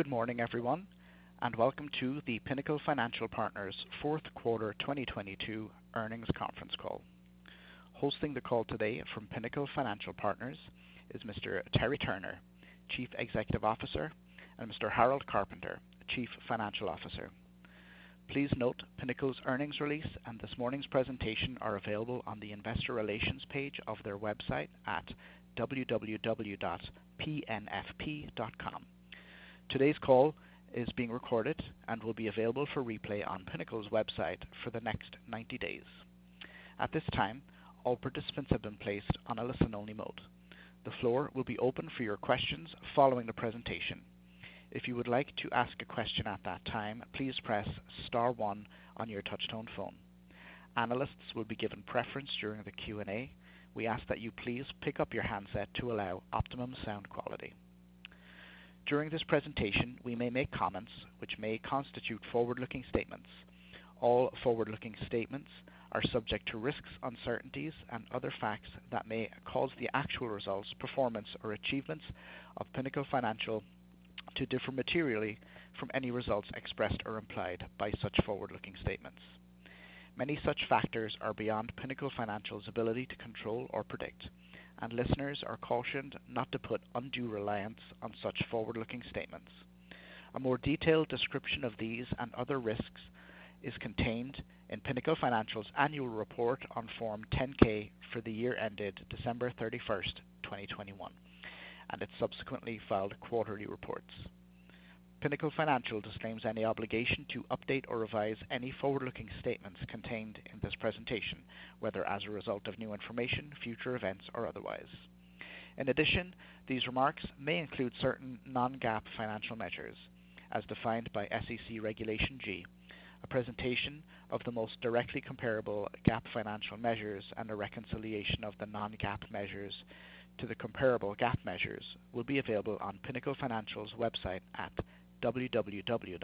Good morning, everyone, and welcome to the Pinnacle Financial Partners fourth quarter 2022 earnings conference call. Hosting the call today from Pinnacle Financial Partners is Mr. Terry Turner, Chief Executive Officer, and Mr. Harold Carpenter, Chief Financial Officer. Please note Pinnacle's earnings release and this morning's presentation are available on the investor relations page of their website at www.pnfp.com.Today's call is being recorded and will be available for replay on Pinnacle's website for the next 90 days. At this time, all participants have been placed on a listen-only mode. The floor will be open for your questions following the presentation. If you would like to ask a question at that time, please press star one on your touchtone phone. Analysts will be given preference during the Q&A. We ask that you please pick up your handset to allow optimum sound quality. During this presentation, we may make comments which may constitute forward-looking statements. All forward-looking statements are subject to risks, uncertainties and other facts that may cause the actual results, performance or achievements of Pinnacle Financial to differ materially from any results expressed or implied by such forward-looking statements. Many such factors are beyond Pinnacle Financial's ability to control or predict, and listeners are cautioned not to put undue reliance on such forward-looking statements. A more detailed description of these and other risks is contained in Pinnacle Financial's annual report on Form 10-K for the year ended December 31st, 2021, and its subsequently filed quarterly reports. Pinnacle Financial disclaims any obligation to update or revise any forward-looking statements contained in this presentation, whether as a result of new information, future events, or otherwise. In addition, these remarks may include certain non-GAAP financial measures as defined by SEC Regulation G. A presentation of the most directly comparable GAAP financial measures and a reconciliation of the non-GAAP measures to the comparable GAAP measures will be available on Pinnacle Financial's website at www.pnfp.com.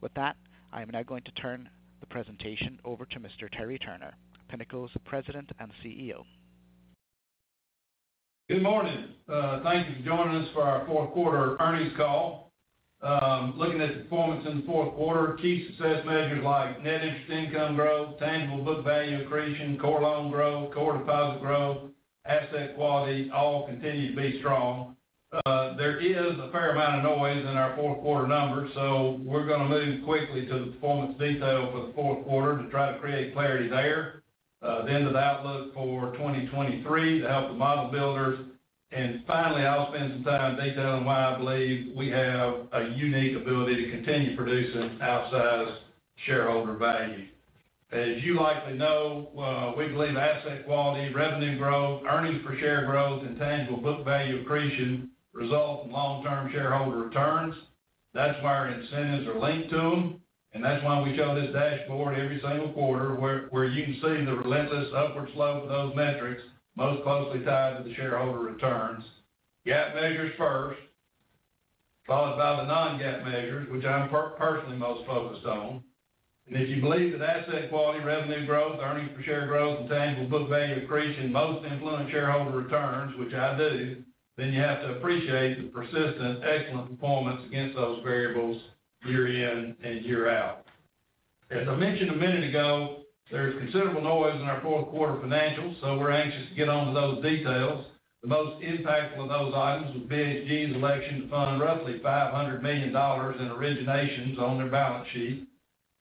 With that, I am now going to turn the presentation over to Mr. Terry Turner, Pinnacle's President and CEO. Good morning. Thank you for joining us for our fourth quarter earnings call. Looking at performance in the fourth quarter, key success measures like net interest income growth, tangible book value accretion, core loan growth, core deposit growth, asset quality all continue to be strong. There is a fair amount of noise in our fourth quarter numbers, so we're going to move quickly to the performance detail for the fourth quarter to try to create clarity there. Then to the outlook for 2023 to help the model builders. Finally, I'll spend some time detailing why I believe we have a unique ability to continue producing outsized shareholder value. As you likely know, we believe asset quality, revenue growth, earnings per share growth, and tangible book value accretion result in long-term shareholder returns. That's why our incentives are linked to them, and that's why we show this dashboard every single quarter where you can see the relentless upward slope of those metrics most closely tied to the shareholder returns. GAAP measures first, followed by the non-GAAP measures, which I'm personally most focused on. If you believe that asset quality, revenue growth, earnings per share growth, and tangible book value accretion most influence shareholder returns, which I do, then you have to appreciate the persistent excellent performance against those variables year in and year out. As I mentioned a minute ago, there's considerable noise in our fourth quarter financials, so we're anxious to get on to those details. The most impactful of those items was BHG's election to fund roughly $500 million in originations on their balance sheet,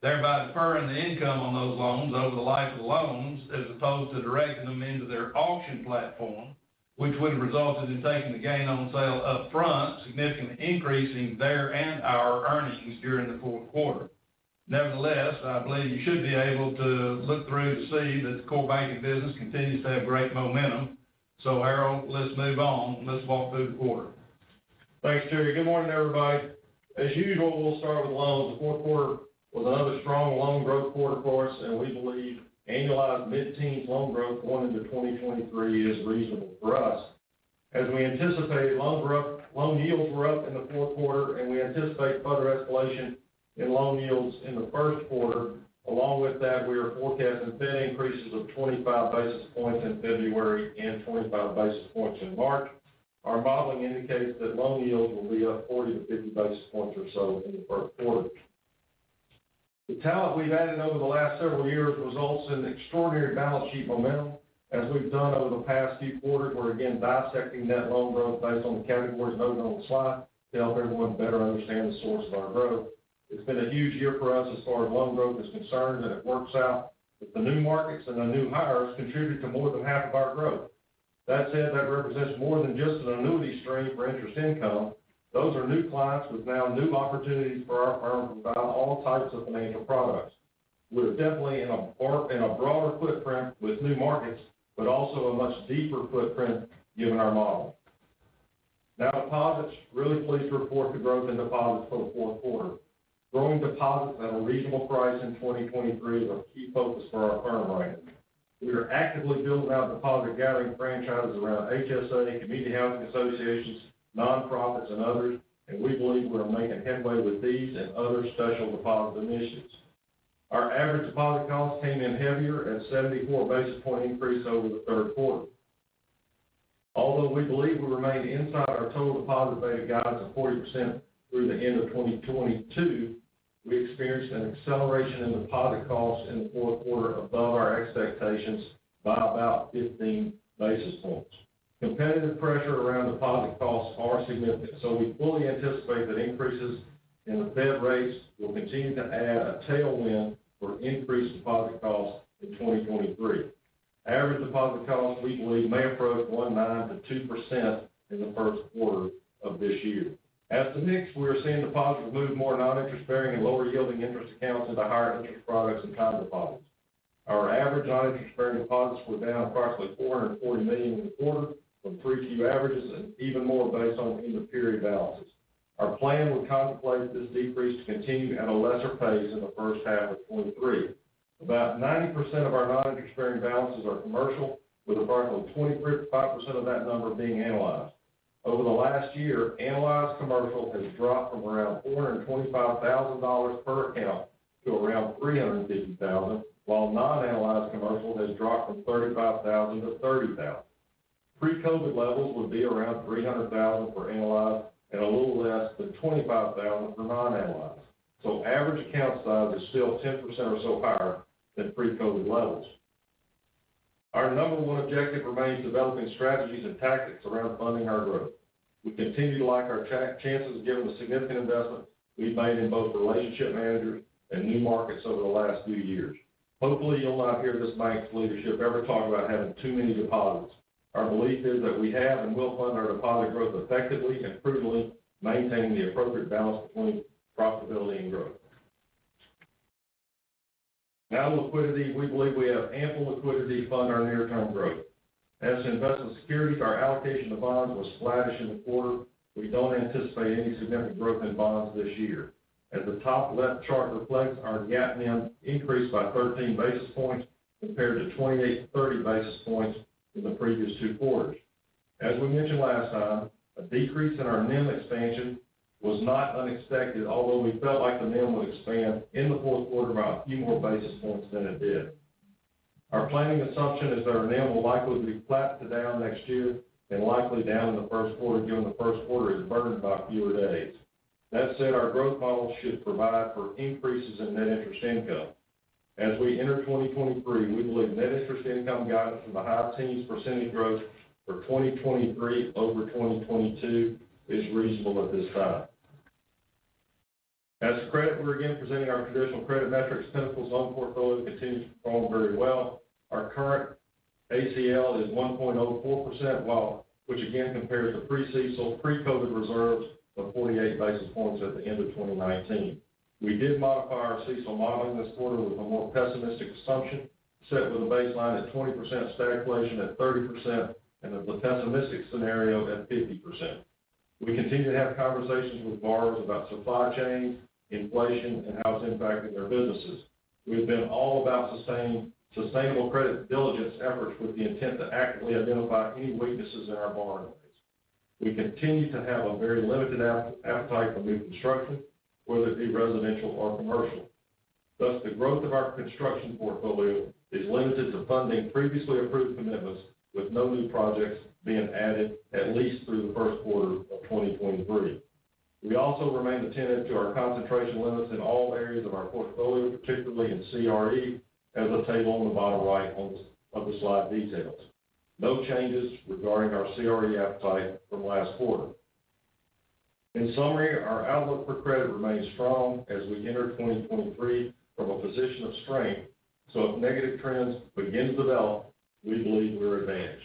thereby deferring the income on those loans over the life of the loans, as opposed to directing them into their auction platform, which would have resulted in taking the gain on sale up front, significantly increasing their and our earnings during the fourth quarter. I believe you should be able to look through to see that the core banking business continues to have great momentum. Harold, let's move on. Let's walk through the quarter. Thanks, Terry. Good morning, everybody. As usual, we'll start with loans. The fourth quarter was another strong loan growth quarter for us, and we believe annualized mid-teens loan growth going into 2023 is reasonable for us. As we anticipated, loan yields were up in the fourth quarter. We anticipate further escalation in loan yields in the first quarter. Along with that, we are forecasting Fed increases of 25 basis points in February and 25 basis points in March. Our modeling indicates that loan yields will be up 40 to 50 basis points or so in the first quarter. The talent we've added over the last several years results in extraordinary balance sheet momentum. As we've done over the past few quarters, we're again dissecting that loan growth based on the categories noted on the slide to help everyone better understand the source of our growth. It's been a huge year for us as far as loan growth is concerned. It works out that the new markets and the new hires contributed to more than half of our growth. That said, that represents more than just an annuity stream for interest income. Those are new clients with now new opportunities for our firm to provide all types of financial products. We're definitely in a broader footprint with new markets, but also a much deeper footprint given our model. Now deposits. Really pleased to report the growth in deposits for the fourth quarter. Growing deposits at a reasonable price in 2023 is a key focus for our firm right now. We are actively building out deposit-gathering franchises around HSA, community health associations, nonprofits, and others, and we believe we're making headway with these and other special deposit initiatives. Our average deposit costs came in heavier at 74 basis point increase over the third quarter. Although we believe we remain inside our total deposit beta guidance of 40% through the end of 2022, we experienced an acceleration in deposit costs in the fourth quarter above our expectations by about 15 basis points. Competitive pressure around deposit costs are significant. We fully anticipate that increases in the Fed rates will continue to add a tailwind for increased deposit costs in 2023. Average deposit costs, we believe, may approach 1.9%-2% in the first quarter of this year. As to mix, we are seeing deposits move more non-interest bearing and lower yielding interest accounts into higher interest products and time deposits. Our average non-interest bearing deposits were down approximately $440 million in the quarter from preview averages and even more based on end of period balances. Our plan would contemplate this decrease to continue at a lesser pace in the first half of 2023. About 90% of our non-interest bearing balances are commercial, with approximately 25% of that number being analyzed. Over the last year, analyzed commercial has dropped from around $425,000 per account to around $350,000, while non-analyzed commercial has dropped from $35,000 to $30,000. Pre-COVID levels would be around $300,000 for analyzed and a little less than $25,000 for non-analyzed. Average account size is still 10% or so higher than pre-COVID levels. Our number one objective remains developing strategies and tactics around funding our growth. We continue to like our chances given the significant investment we've made in both relationship managers and new markets over the last few years. Hopefully, you'll not hear this bank's leadership ever talk about having too many deposits. Our belief is that we have and will fund our deposit growth effectively and prudently, maintaining the appropriate balance between profitability and growth. Now liquidity, we believe we have ample liquidity to fund our near-term growth. As to investment securities, our allocation to bonds was flattish in the quarter. We don't anticipate any significant growth in bonds this year. As the top left chart reflects, our GAAP NIM increased by 13 basis points compared to 28-30 basis points in the previous two quarters. As we mentioned last time, a decrease in our NIM expansion was not unexpected, although we felt like the NIM would expand in the fourth quarter by a few more basis points than it did. Our planning assumption is that our NIM will likely be flat to down next year and likely down in the first quarter, given the first quarter is burdened by fewer days. That said, our growth model should provide for increases in net interest income. We enter 2023, we believe net interest income guidance in the high teens percentage growth for 2023 over 2022 is reasonable at this time. To credit, we're again presenting our traditional credit metrics. Pinnacle's own portfolio continues to perform very well. Our current ACL is 1.04%, which again compares to pre-CECL, pre-COVID reserves of 48 basis points at the end of 2019. We did modify our CECL modeling this quarter with a more pessimistic assumption, set with a baseline at 20%, stagflation at 30%, and the pessimistic scenario at 50%. We continue to have conversations with borrowers about supply chains, inflation, and how it's impacting their businesses. We've been all about sustainable credit diligence efforts with the intent to actively identify any weaknesses in our borrowing base. We continue to have a very limited appetite for new construction, whether it be residential or commercial. The growth of our construction portfolio is limited to funding previously approved commitments with no new projects being added at least through the first quarter of 2023. We also remain attentive to our concentration limits in all areas of our portfolio, particularly in CRE, as the table on the bottom right of the slide details. No changes regarding our CRE appetite from last quarter. In summary, our outlook for credit remains strong as we enter 2023 from a position of strength, if negative trends begin to develop, we believe we're advantaged.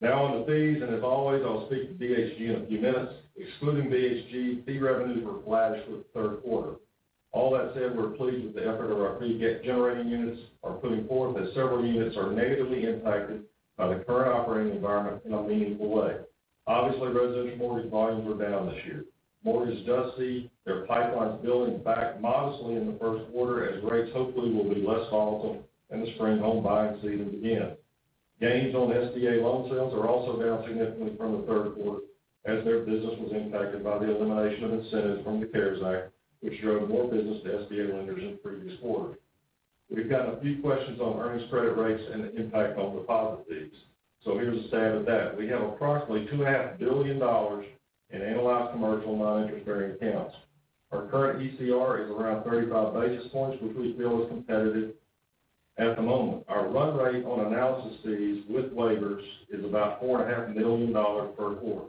Now on to fees, as always, I'll speak to BHG in a few minutes. Excluding BHG, fee revenues were flattish for the third quarter. All that said, we're pleased with the effort of our fee generating units are putting forth, as several units are negatively impacted by the current operating environment in a meaningful way. Obviously, residential mortgage volumes were down this year. Mortgage does see their pipelines building back modestly in the first quarter as rates hopefully will be less volatile and the spring home buying season begins. Gains on SBA loan sales are also down significantly from the third quarter as their business was impacted by the elimination of incentives from the CARES Act, which drove more business to SBA lenders in the previous quarter. We've gotten a few questions on earnings credit rates and the impact on deposit fees. Here's a stab at that. We have approximately two and a half billion dollars in analyzed commercial non-interest bearing accounts. Our current ECR is around 35 basis points, which we feel is competitive at the moment. Our run rate on analysis fees with waivers is about four and a half million dollars per quarter.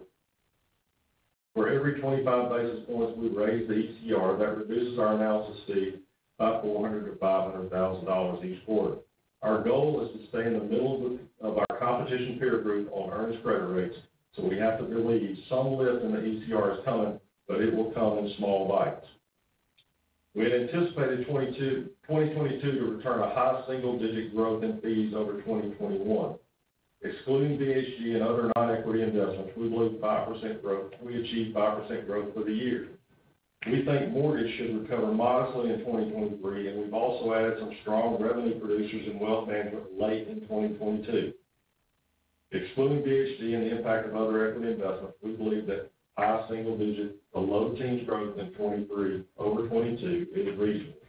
For every 25 basis points we raise the ECR, that reduces our analysis fee by $400,000-$500,000 each quarter. Our goal is to stay in the middle of our competition peer group on earnings credit rates. We have to believe some lift in the ECR is coming. It will come in small bites. We had anticipated 2022 to return a high single-digit growth in fees over 2021. Excluding BHG and other non-equity investments, we achieved 5% growth for the year. We think mortgage should recover modestly in 2023. We've also added some strong revenue producers in wealth management late in 2022. Excluding BHG and the impact of other equity investments, we believe that high single digit to low teens growth in 2023 over 2022 is reasonable.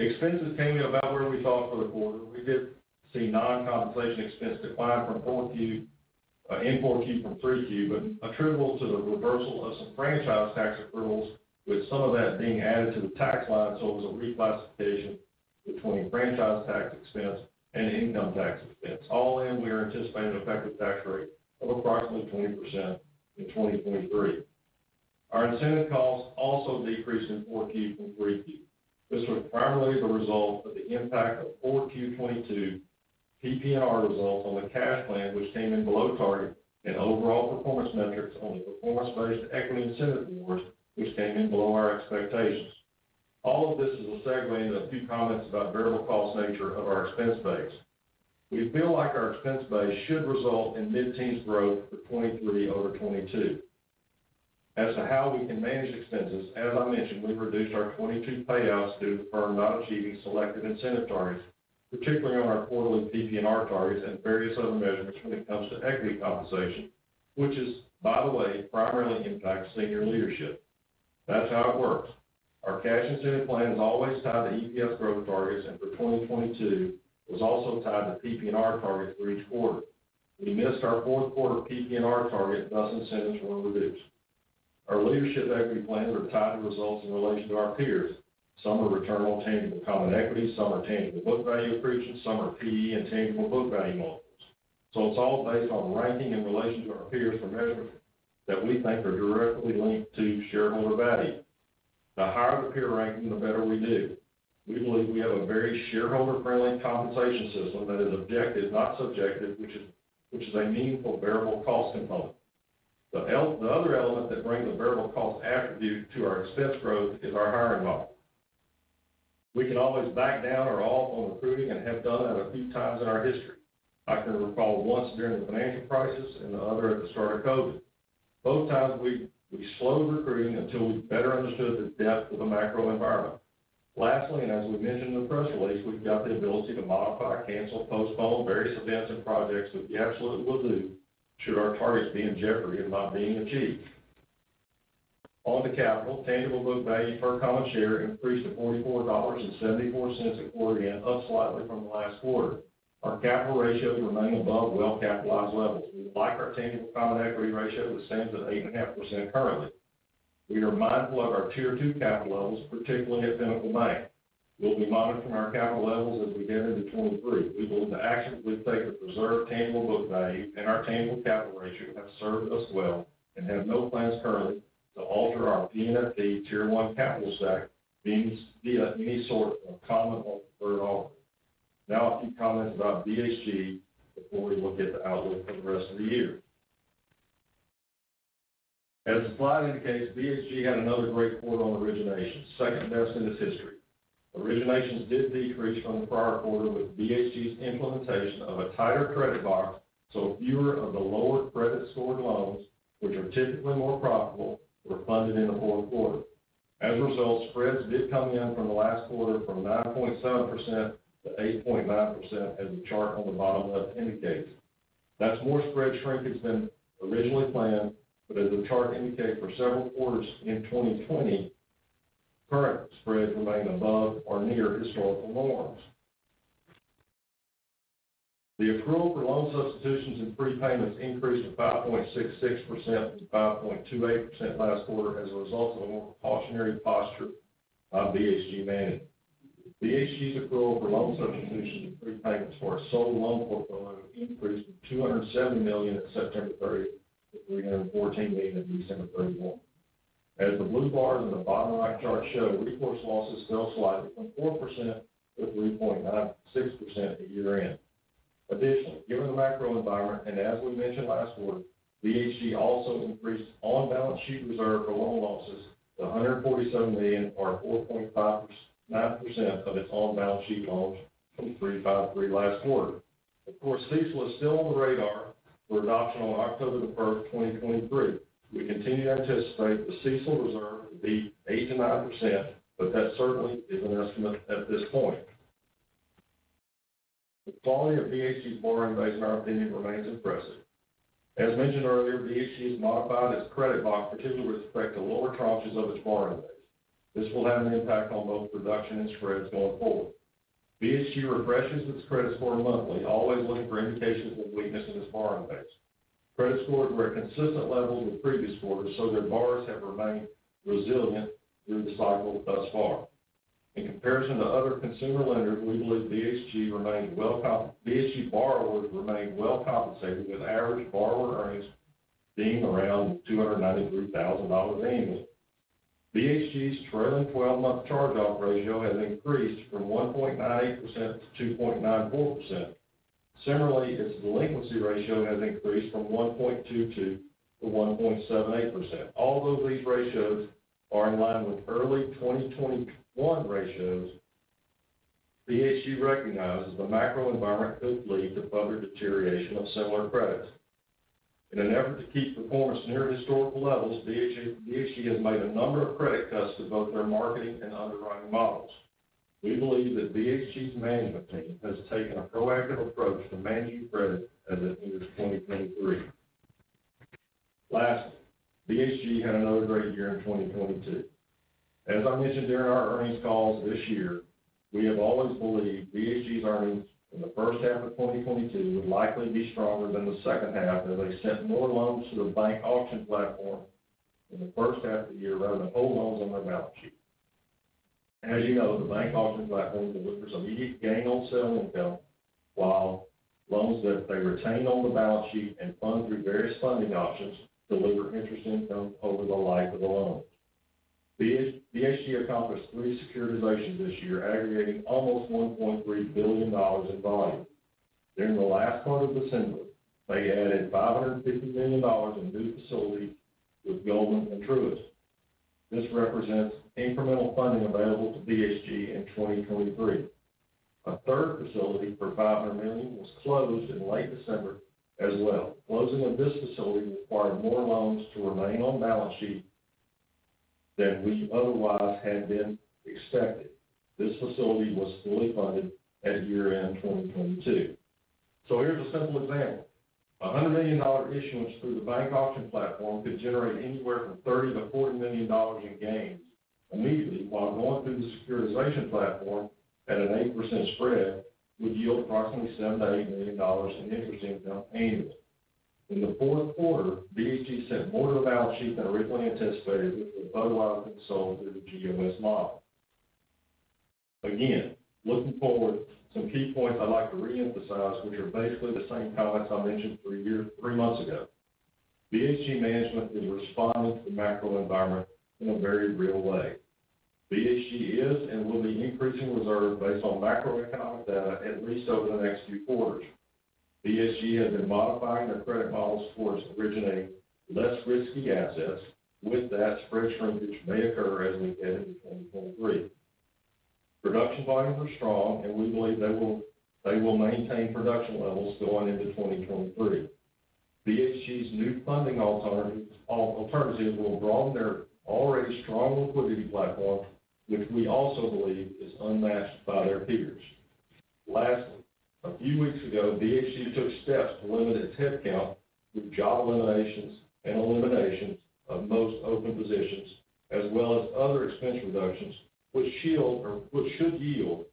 Expenses came in about where we thought for the quarter. We did see non-compensation expense decline from 4Q in 4Q from 3Q, but attributable to the reversal of some franchise tax approvals, with some of that being added to the tax line. It was a reclassification between franchise tax expense and income tax expense. All in, we are anticipating an effective tax rate of approximately 20% in 2023. Our incentive costs also decreased in 4Q from 3Q. This was primarily the result of the impact of 4Q 22 PPNR results on the cash plan, which came in below target, and overall performance metrics on the performance-based equity incentive awards, which came in below our expectations. All of this is a segue into a few comments about variable cost nature of our expense base. We feel like our expense base should result in mid-teens growth for 2023 over 2022. As to how we can manage expenses, as I mentioned, we've reduced our 2022 payouts due to the firm not achieving selected incentive targets, particularly on our quarterly PPNR targets and various other measurements when it comes to equity compensation, which is, by the way, primarily impacts senior leadership. That's how it works. Our cash incentive plan is always tied to EPS growth targets, and for 2022, it was also tied to PPNR targets for each quarter. We missed our fourth quarter PPNR target, thus incentives were reduced. Our leadership equity plans are tied to results in relation to our peers. Some are return on tangible common equity, some are tangible book value accretion, some are PE and tangible book value models. It's all based on ranking in relation to our peers for measurements that we think are directly linked to shareholder value. The higher the peer ranking, the better we do. We believe we have a very shareholder-friendly compensation system that is objective, not subjective, which is a meaningful variable cost component. The other element that brings a variable cost attribute to our expense growth is our hiring model. We can always back down or off on recruiting and have done that a few times in our history. I can recall once during the financial crisis and the other at the start of COVID. Both times, we slowed recruiting until we better understood the depth of the macro environment. Lastly, as we mentioned in the press release, we've got the ability to modify, cancel, postpone various events and projects, which we absolutely will do should our targets be in jeopardy of not being achieved. On to capital, tangible book value per common share increased to $44.74 at quarter end, up slightly from last quarter. Our capital ratios remain above well-capitalized levels. We like our tangible common equity ratio, which stands at 8.5% currently. We are mindful of our Tier 2 capital levels, particularly at Pinnacle Bank. We'll be monitoring our capital levels as we get into 2023. We believe the actions we've taken to preserve tangible book value and our tangible capital ratio have served us well and have no plans currently to alter our PNFP Tier 1 capital stack means via any sort of common or preferred offer. A few comments about BHG before we look at the outlook for the rest of the year. As the slide indicates, BHG had another great quarter on originations, second best in its history. Originations did decrease from the prior quarter with BHG's implementation of a tighter credit box, so fewer of the lower credit scored loans, which are typically more profitable, were funded in the fourth quarter. As a result, spreads did come in from the last quarter from 9.7% to 8.9%, as the chart on the bottom left indicates. That's more spread shrinkage than originally planned. As the chart indicated for several quarters in 2020, current spreads remain above or near historical norms. The approval for loan substitutions and prepayments increased to 5.66% from 5.28% last quarter as a result of a more precautionary posture of BHG management. BHG's approval for loan substitution and prepayments for our sold loan portfolio increased from $270 million at September 30 to $314 million at December 31. As the blue bars in the bottom right chart show, recourse losses fell slightly from 4% to 3.96% at year-end. Additionally, given the macro environment, and as we mentioned last quarter, BHG also increased on-balance sheet reserve for loan losses to $147 million, or 4.59% of its on-balance sheet loans from 3.53% last quarter. Of course, CECL is still on the radar for adoption on October 1, 2023. We continue to anticipate the CECL reserve to be 8%-9%, that certainly is an estimate at this point. The quality of BHG's borrowing base, in our opinion, remains impressive. As mentioned earlier, BHG has modified its credit box, particularly with respect to lower tranches of its borrowing base. This will have an impact on both production and spreads going forward. BHG refreshes its credit score monthly, always looking for indications of weakness in its borrowing base. Credit scores were at consistent levels with previous quarters, their borrowers have remained resilient through the cycle thus far. In comparison to other consumer lenders, we believe BHG borrowers remain well compensated, with average borrower earnings being around $293,000 annually. BHG's trailing 12-month charge-off ratio has increased from 1.98% to 2.94%. Its delinquency ratio has increased from 1.22% to 1.78%. These ratios are in line with early 2021 ratios, BHG recognizes the macro environment could lead to further deterioration of similar credits. In an effort to keep performance near historical levels, BHG has made a number of credit cuts to both their marketing and underwriting models. We believe that BHG's management team has taken a proactive approach to managing credit as it enters 2023. BHG had another great year in 2022. As I mentioned during our earnings calls this year, we have always believed BHG's earnings in the first half of 2022 would likely be stronger than the second half, as they sent more loans to the bank auction platform in the first half of the year rather than hold loans on their balance sheet. As you know, the bank auction platform delivers immediate gain on sale income, while loans that they retain on the balance sheet and fund through various funding options deliver interest income over the life of the loan. BHG accomplished three securitizations this year, aggregating almost $1.3 billion in volume. During the last part of December, they added $550 million in new facility with Goldman and Truist. This represents incremental funding available to BHG in 2023. A third facility for $500 million was closed in late December as well. Closing of this facility required more loans to remain on balance sheet than we otherwise had been expected. This facility was fully funded at year-end 2022. Here's a simple example. $100 million issuance through the bank auction platform could generate anywhere from $30 million-$40 million in gains immediately, while going through the securitization platform at an 8% spread would yield approximately $7 million-$8 million in interest income annually. In the fourth quarter, BHG sent more to the balance sheet than originally anticipated, which would have otherwise been sold through the GOS model. Looking forward, some key points I'd like to re-emphasize, which are basically the same comments I mentioned three months ago. BHG management is responding to the macro environment in a very real way. BHG is and will be increasing reserves based on macroeconomic data at least over the next few quarters. BHG has been modifying their credit models towards originating less risky assets. With that, spread shrinkage may occur as we head into 2023. Production volumes are strong. We believe they will maintain production levels going into 2023. BHG's new funding alternatives will broaden their already strong liquidity platform, which we also believe is unmatched by their peers. Lastly, a few weeks ago, BHG took steps to limit its headcount with job eliminations and eliminations of most open positions, as well as other expense reductions, which should yield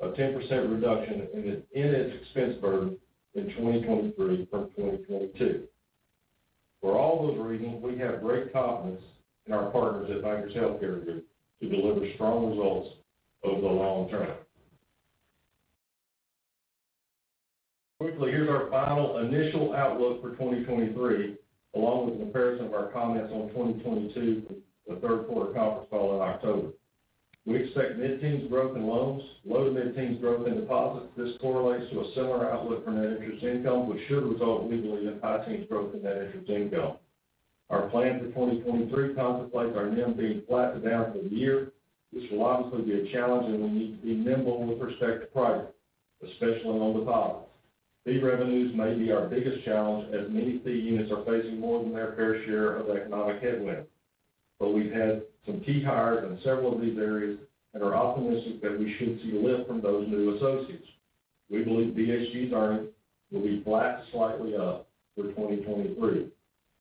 a 10% reduction in its expense burden in 2023 from 2022. For all those reasons, we have great confidence in our partners at Bankers Healthcare Group to deliver strong results over the long term. Quickly, here's our final initial outlook for 2023, along with a comparison of our comments on 2022, the third quarter conference call in October. We expect mid-teens growth in loans, low to mid-teens growth in deposits. This correlates to a similar outlook for net interest income, which should result, we believe, in high teens growth in net interest income. Our plan for 2023 contemplates our NIM being flat to down for the year, which will obviously be a challenge, and we need to be nimble with respect to pricing, especially on deposits. Fee revenues may be our biggest challenge, as many fee units are facing more than their fair share of economic headwinds. We've had some key hires in several of these areas and are optimistic that we should see a lift from those new associates. We believe BHG's earnings will be flat to slightly up through 2023.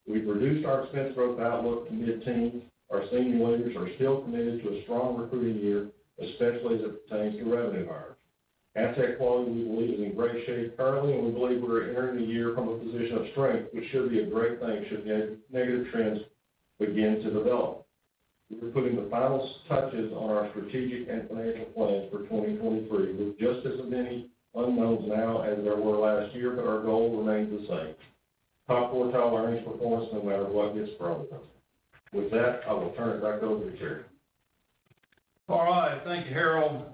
We've reduced our expense growth outlook to mid-teens. Our senior leaders are still committed to a strong recruiting year, especially as it pertains to revenue hires. Asset quality, we believe, is in great shape currently. We believe we're entering the year from a position of strength, which should be a great thing should negative trends begin to develop. We're putting the final touches on our strategic and financial plans for 2023 with just as many unknowns now as there were last year. Our goal remains the same. Top quartile earnings performance, no matter what gets thrown at us. With that, I will turn it back over to Terry. All right. Thank you, Harold.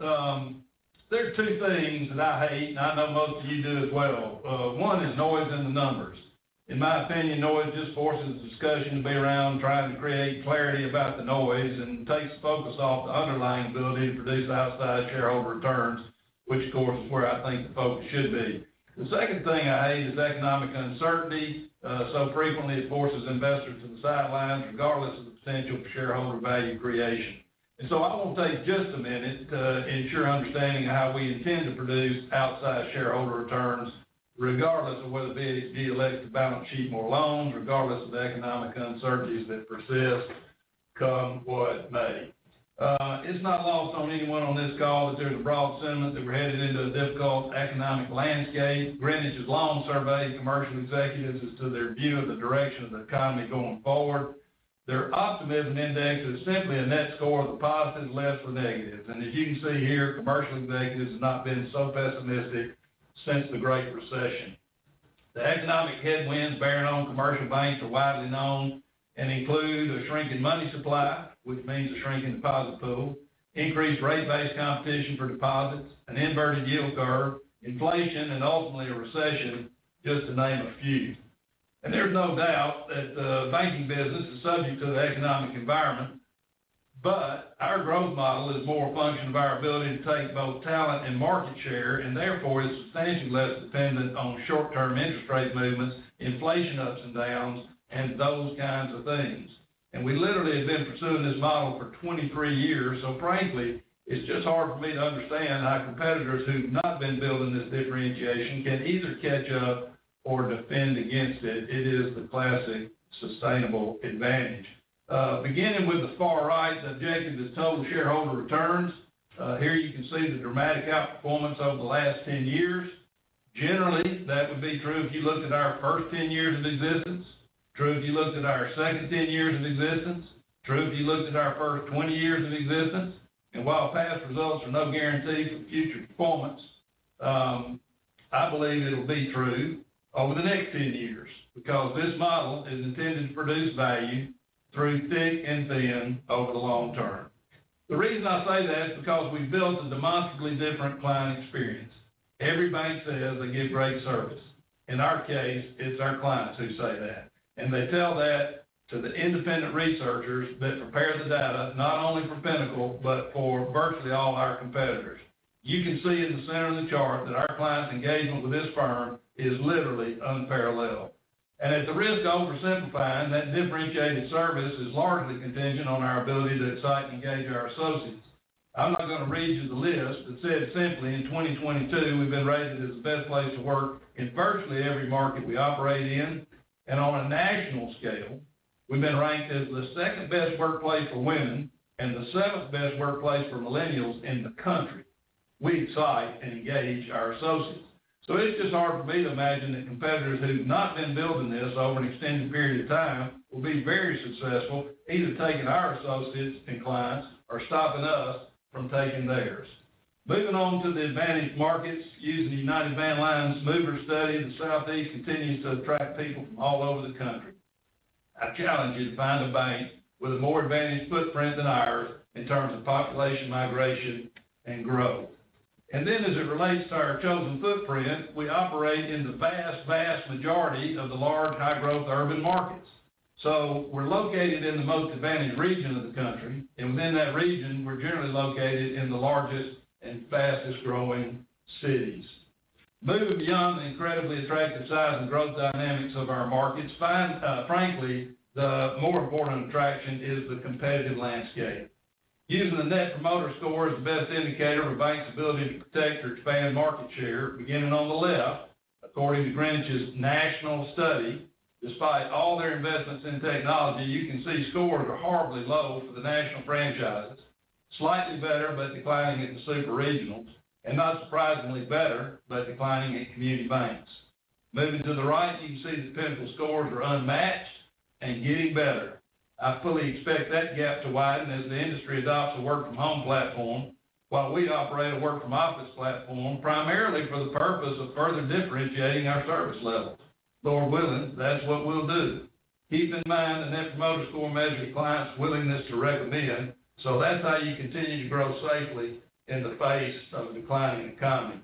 There are two things that I hate, and I know most of you do as well. One is noise in the numbers. In my opinion, noise just forces the discussion to be around trying to create clarity about the noise and takes the focus off the underlying ability to produce outsized shareholder returns, which of course, is where I think the focus should be. The second thing I hate is economic uncertainty. So frequently it forces investors to the sidelines, regardless of the potential for shareholder value creation. I want to take just a minute to ensure understanding of how we intend to produce outsized shareholder returns, regardless of whether BHG elects to balance sheet more loans, regardless of the economic uncertainties that persist, come what may. It's not lost on anyone on this call that there's a broad sentiment that we're headed into a difficult economic landscape. Greenwich's loan survey commercial executives as to their view of the direction of the economy going forward. Their optimism index is simply a net score of the positives less the negatives. As you can see here, commercial executives has not been so pessimistic since the Great Recession. The economic headwinds bearing on commercial banks are widely known and include a shrinking money supply, which means a shrinking deposit pool, increased rate-based competition for deposits, an inverted yield curve, inflation, and ultimately a recession, just to name a few. There's no doubt that the banking business is subject to the economic environment. Our growth model is more a function of our ability to take both talent and market share, and therefore is substantially less dependent on short-term interest rate movements, inflation ups and downs, and those kinds of things. We literally have been pursuing this model for 23 years, so frankly, it's just hard for me to understand how competitors who've not been building this differentiation can either catch up or defend against it. It is the classic sustainable advantage. Beginning with the far right, the objective is total shareholder returns. Here you can see the dramatic outperformance over the last 10 years. Generally, that would be true if you looked at our first 10 years of existence, true if you looked at our second 10 years of existence, true if you looked at our first 20 years of existence. While past results are no guarantee for future performance, I believe it'll be true over the next 10 years because this model is intended to produce value through thick and thin over the long term. The reason I say that is because we've built a demonstrably different client experience. Every bank says they give great service. In our case, it's our clients who say that, and they tell that to the independent researchers that prepare the data, not only for Pinnacle, but for virtually all our competitors. You can see in the center of the chart that our clients' engagement with this firm is literally unparalleled. At the risk of oversimplifying, that differentiated service is largely contingent on our ability to excite and engage our associates. I'm not going to read you the list, but said simply, in 2022, we've been rated as the best place to work in virtually every market we operate in. On a national scale, we've been ranked as the second best workplace for women and the seventh best workplace for millennials in the country. We excite and engage our associates. It's just hard for me to imagine that competitors who've not been building this over an extended period of time will be very successful either taking our associates and clients or stopping us from taking theirs. Moving on to the advantaged markets, using United Van Lines mover study, the Southeast continues to attract people from all over the country. I challenge you to find a bank with a more advantaged footprint than ours in terms of population migration and growth. As it relates to our chosen footprint, we operate in the vast majority of the large high-growth urban markets. We're located in the most advantaged region of the country, and within that region, we're generally located in the largest and fastest-growing cities. Moving beyond the incredibly attractive size and growth dynamics of our markets, find, frankly, the more important attraction is the competitive landscape. Using the Net Promoter Score as the best indicator of a bank's ability to protect or expand market share, beginning on the left, according to Greenwich's national study, despite all their investments in technology, you can see scores are horribly low for the national franchises, slightly better, but declining at the super regionals, and not surprisingly better, but declining at community banks. Moving to the right, you can see that Pinnacle scores are unmatched and getting better. I fully expect that gap to widen as the industry adopts a work-from-home platform while we operate a work-from-office platform primarily for the purpose of further differentiating our service levels. Lord willing, that's what we'll do. Keep in mind, the Net Promoter Score measures clients' willingness to recommend. That's how you continue to grow safely in the face of a declining economy.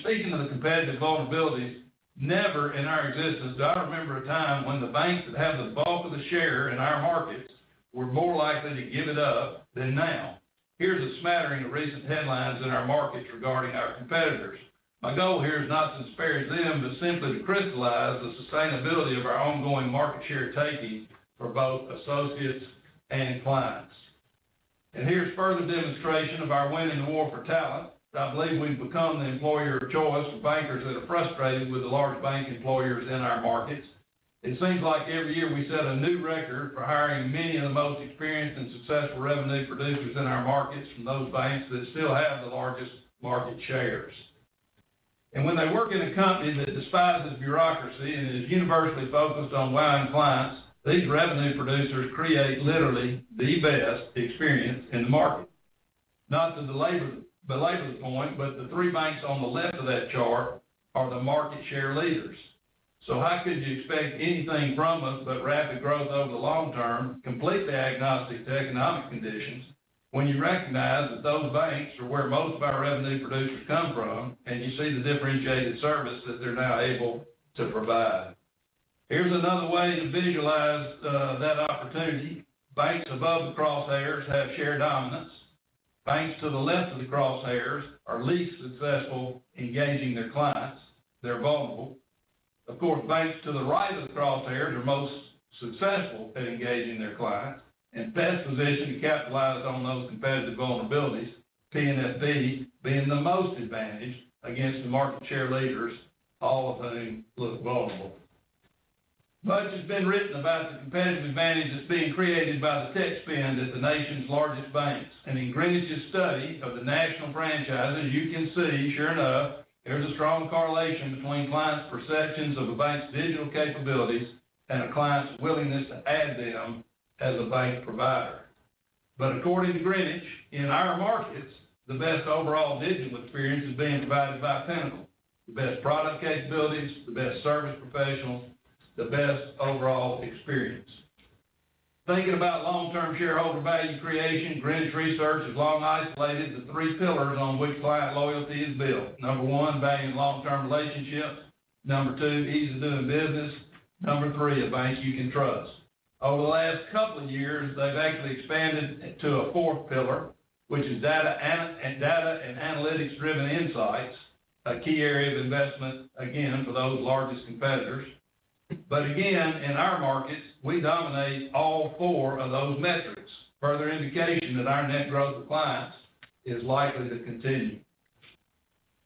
Speaking of the competitive vulnerabilities, never in our existence do I remember a time when the banks that have the bulk of the share in our markets were more likely to give it up than now. Here's a smattering of recent headlines in our markets regarding our competitors. My goal here is not to disparage them, but simply to crystallize the sustainability of our ongoing market share taking for both associates and clients. Here's further demonstration of our winning the war for talent. I believe we've become the employer of choice for bankers that are frustrated with the large bank employers in our markets. It seems like every year we set a new record for hiring many of the most experienced and successful revenue producers in our markets from those banks that still have the largest market shares. When they work in a company that despises bureaucracy and is universally focused on wowing clients, these revenue producers create literally the best experience in the market. Not to belabor the point, the three banks on the left of that chart are the market share leaders. How could you expect anything from us but rapid growth over the long term, completely agnostic to economic conditions, when you recognize that those banks are where most of our revenue producers come from, and you see the differentiated service that they're now able to provide? Here's another way to visualize that opportunity. Banks above the crosshairs have share dominance. Banks to the left of the crosshairs are least successful engaging their clients. They're vulnerable. Banks to the right of the crosshairs are most successful at engaging their clients and best positioned to capitalize on those competitive vulnerabilities, PNFP being the most advantaged against the market share leaders, all of whom look vulnerable. Much has been written about the competitive advantage that's being created by the tech spend at the nation's largest banks. In Greenwich's study of the national franchises, you can see, sure enough, there's a strong correlation between clients' perceptions of a bank's digital capabilities and a client's willingness to add them as a bank provider. According to Greenwich, in our markets, the best overall digital experience is being provided by Pinnacle. The best product capabilities, the best service professionals, the best overall experience. Thinking about long-term shareholder value creation, Greenwich Research has long isolated the three pillars on which client loyalty is built. Number one, valuing long-term relationships. Number 2, ease of doing business. Number 3, a bank you can trust. Over the last couple of years, they've actually expanded to a fourth pillar, which is data and analytics driven insights, a key area of investment, again, for those largest competitors. Again, in our markets, we dominate all 4 of those metrics. Further indication that our net growth of clients is likely to continue.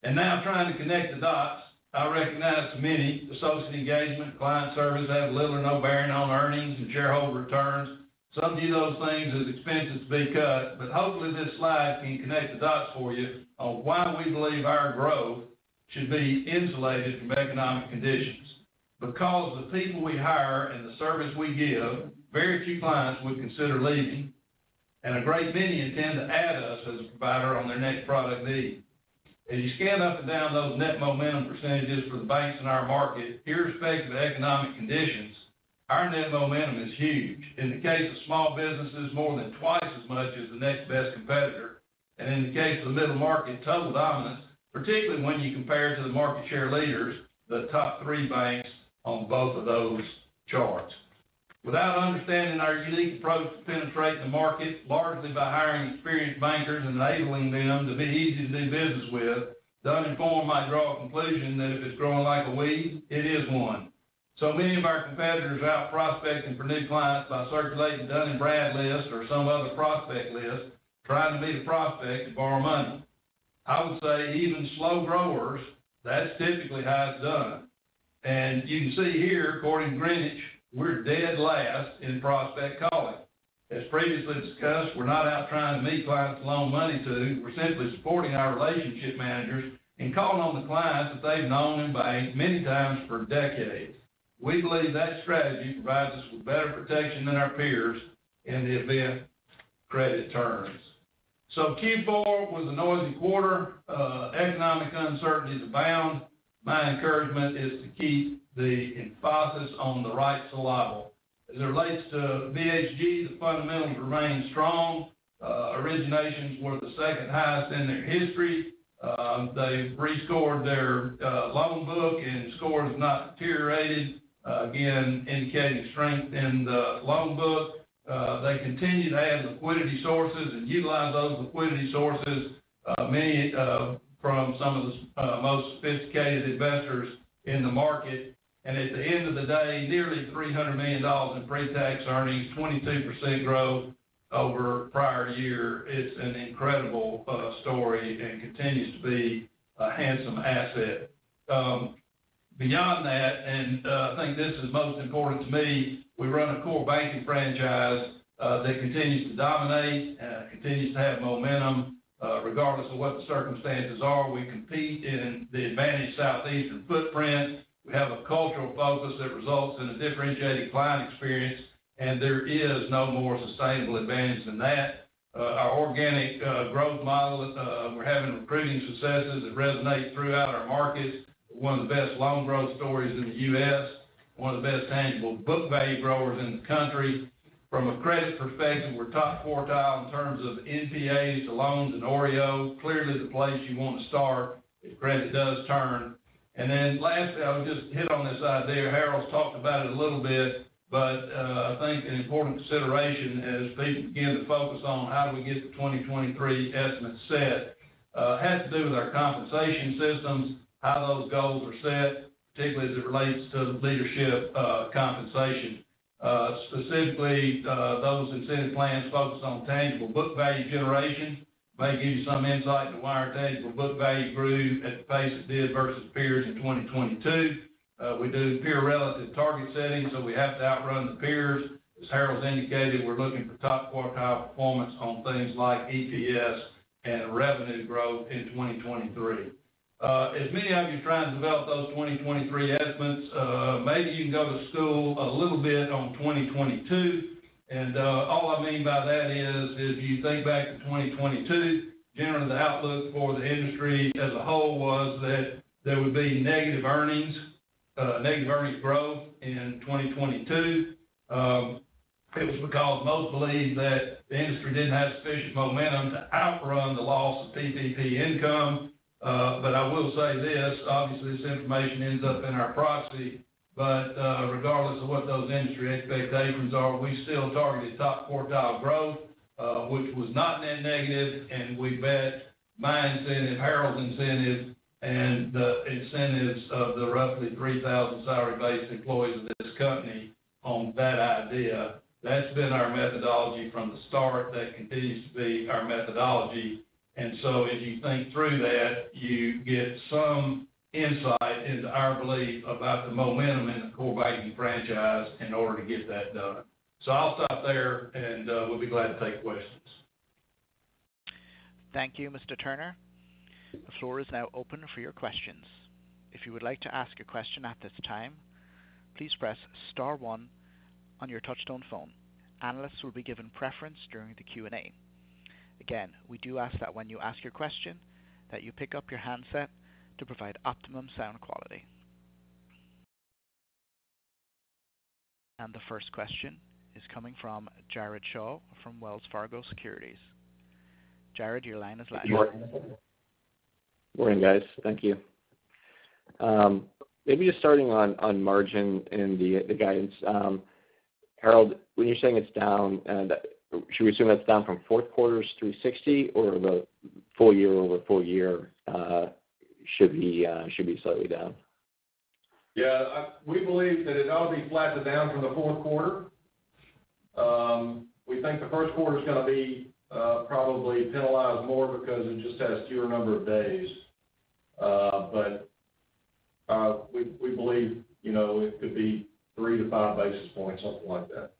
Now trying to connect the dots, I recognize many associate engagement, client service have little or no bearing on earnings and shareholder returns. Some view those things as expenses to be cut, hopefully, this slide can connect the dots for you on why we believe our growth should be insulated from economic conditions. The people we hire and the service we give, very few clients would consider leaving, and a great many intend to add us as a provider on their next product need. As you scan up and down those net momentum percentages for the banks in our market, irrespective of economic conditions, our net momentum is huge. In the case of small businesses, more than twice as much as the next best competitor, and in the case of the middle market, total dominance, particularly when you compare to the market share leaders, the top 3 banks on both of those charts. Without understanding our unique approach to penetrate the market, largely by hiring experienced bankers and enabling them to be easy to do business with, the uninformed might draw a conclusion that if it's growing like a weed, it is one. Many of our competitors are out prospecting for new clients by circulating Dun and Brad lists or some other prospect list, trying to meet a prospect to borrow money. I would say even slow growers, that's typically how it's done. You can see here, according to Greenwich, we're dead last in prospect calling. As previously discussed, we're not out trying to meet clients to loan money to. We're simply supporting our relationship managers in calling on the clients that they've known and banked many times for decades. We believe that strategy provides us with better protection than our peers in the event credit turns. Q4 was a noisy quarter. Economic uncertainty is abound. My encouragement is to keep the emphasis on the right to liable. As it relates to BHG, the fundamentals remain strong. Originations were the second highest in their history. They've rescored their loan book, and scores have not deteriorated, again, indicating strength in the loan book. They continue to add liquidity sources and utilize those liquidity sources, many from some of the most sophisticated investors in the market. At the end of the day, nearly $300 million in pre-tax earnings, 22% growth over prior year is an incredible story and continues to be a handsome asset. Beyond that, and I think this is most important to me, we run a core banking franchise that continues to dominate and continues to have momentum, regardless of what the circumstances are. We compete in the Advantage Southeastern footprint. We have a cultural focus that results in a differentiated client experience, and there is no more sustainable advantage than that. Our organic growth model, we're having recruiting successes that resonate throughout our markets. One of the best loan growth stories in the U.S., one of the best tangible book value growers in the country. From a credit perspective, we're top quartile in terms of NPAs to loans and OREO, clearly the place you want to start if credit does turn. Lastly, I would just hit on this idea. Harold's talked about it a little bit, but I think an important consideration as people begin to focus on how do we get the 2023 estimate set, has to do with our compensation systems, how those goals are set, particularly as it relates to leadership compensation. Specifically, those incentive plans focus on tangible book value generation. Might give you some insight into why our tangible book value grew at the pace it did versus peers in 2022. We do peer relative target setting, we have to outrun the peers. As Harold indicated, we're looking for top quartile performance on things like EPS and revenue growth in 2023. As many of you try and develop those 2023 estimates, maybe you can go to school a little bit on 2022. All I mean by that is, if you think back to 2022, generally the outlook for the industry as a whole was that there would be negative earnings, negative earnings growth in 2022. It was because most believed that the industry didn't have sufficient momentum to outrun the loss of PPP income. I will say this, obviously, this information ends up in our proxy. Regardless of what those industry expectations are, we still targeted top quartile growth, which was not net negative, and we bet my incentive, Harold's incentive, and the incentives of the roughly 3,000 salary-based employees of this company on that idea. That's been our methodology from the start. That continues to be our methodology. As you think through that, you get some insight into our belief about the momentum in the core banking franchise in order to get that done. I'll stop there, and we'll be glad to take questions. Thank you, Mr. Turner. The floor is now open for your questions. If you would like to ask a question at this time, please press star one on your touchtone phone. Analysts will be given preference during the Q&A. We do ask that when you ask your question that you pick up your handset to provide optimum sound quality. The first question is coming from Jared Shaw from Wells Fargo Securities. Jared, your line is live. Morning, guys. Thank you. Maybe just starting on margin and the guidance. Harold, when you're saying it's down and, should we assume that's down from fourth quarter's 3.60% or the full year over full year, should be slightly down? Yeah. We believe that it ought to be flat to down from the fourth quarter. We think the first quarter is gonna be, probably penalized more because it just has fewer number of days. We believe, you know, it could be 3 to 5 basis points, something like that.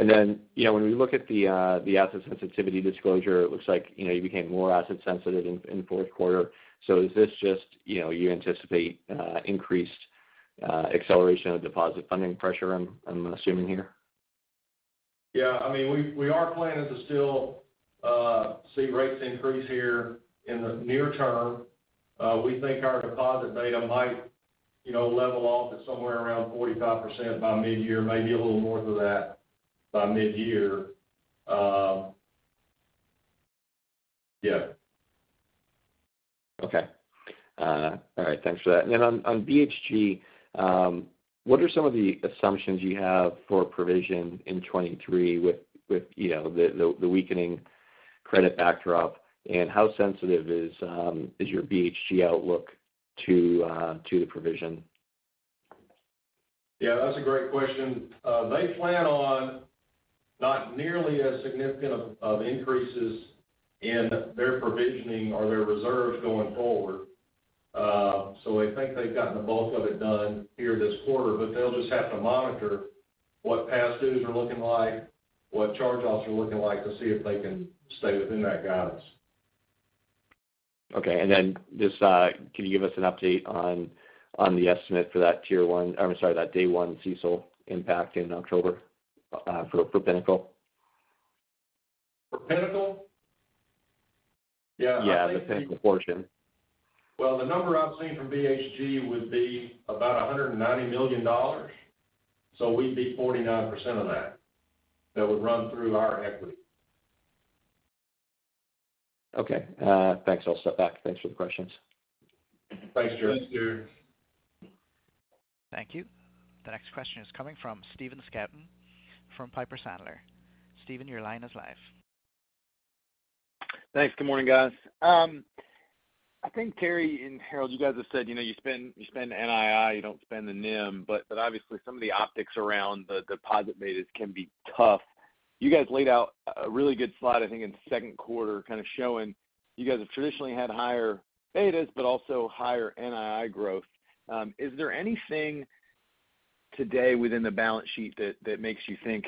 Okay. you know, when we look at the asset sensitivity disclosure, it looks like, you know, you became more asset sensitive in the fourth quarter. Is this just, you know, you anticipate increased acceleration of deposit funding pressure, I'm assuming here? Yeah. I mean, we are planning to still see rates increase here in the near term. We think our deposit beta might, you know, level off at somewhere around 45% by mid-year, maybe a little more than that by mid-year. Yeah. Okay. All right, thanks for that. On BHG, what are some of the assumptions you have for provision in 23 with, you know, the weakening credit backdrop, and how sensitive is your BHG outlook to the provision? Yeah, that's a great question. They plan on not nearly as significant of increases in their provisioning or their reserves going forward. They think they've gotten the bulk of it done here this quarter, but they'll just have to monitor what past dues are looking like, what charge-offs are looking like to see if they can stay within that guidance. Okay. Just, can you give us an update on the estimate for or I'm sorry, that day one CECL impact in October for Pinnacle? For Pinnacle? Yeah. Yeah, the Pinnacle portion. Well, the number I've seen from BHG would be about $190 million, so we'd be 49% of that. That would run through our equity. Okay. Thanks. I'll step back. Thanks for the questions. Thanks, Jared. Thank you. The next question is coming from Stephen Scouten from Piper Sandler. Stephen, your line is live. Thanks. Good morning, guys. I think Terry and Harold, you guys have said, you know, you spend NII, you don't spend the NIM, but obviously some of the optics around the deposit betas can be tough. You guys laid out a really good slide, I think, in the second quarter kind of showing you guys have traditionally had higher betas but also higher NII growth. Is there anything today within the balance sheet that makes you think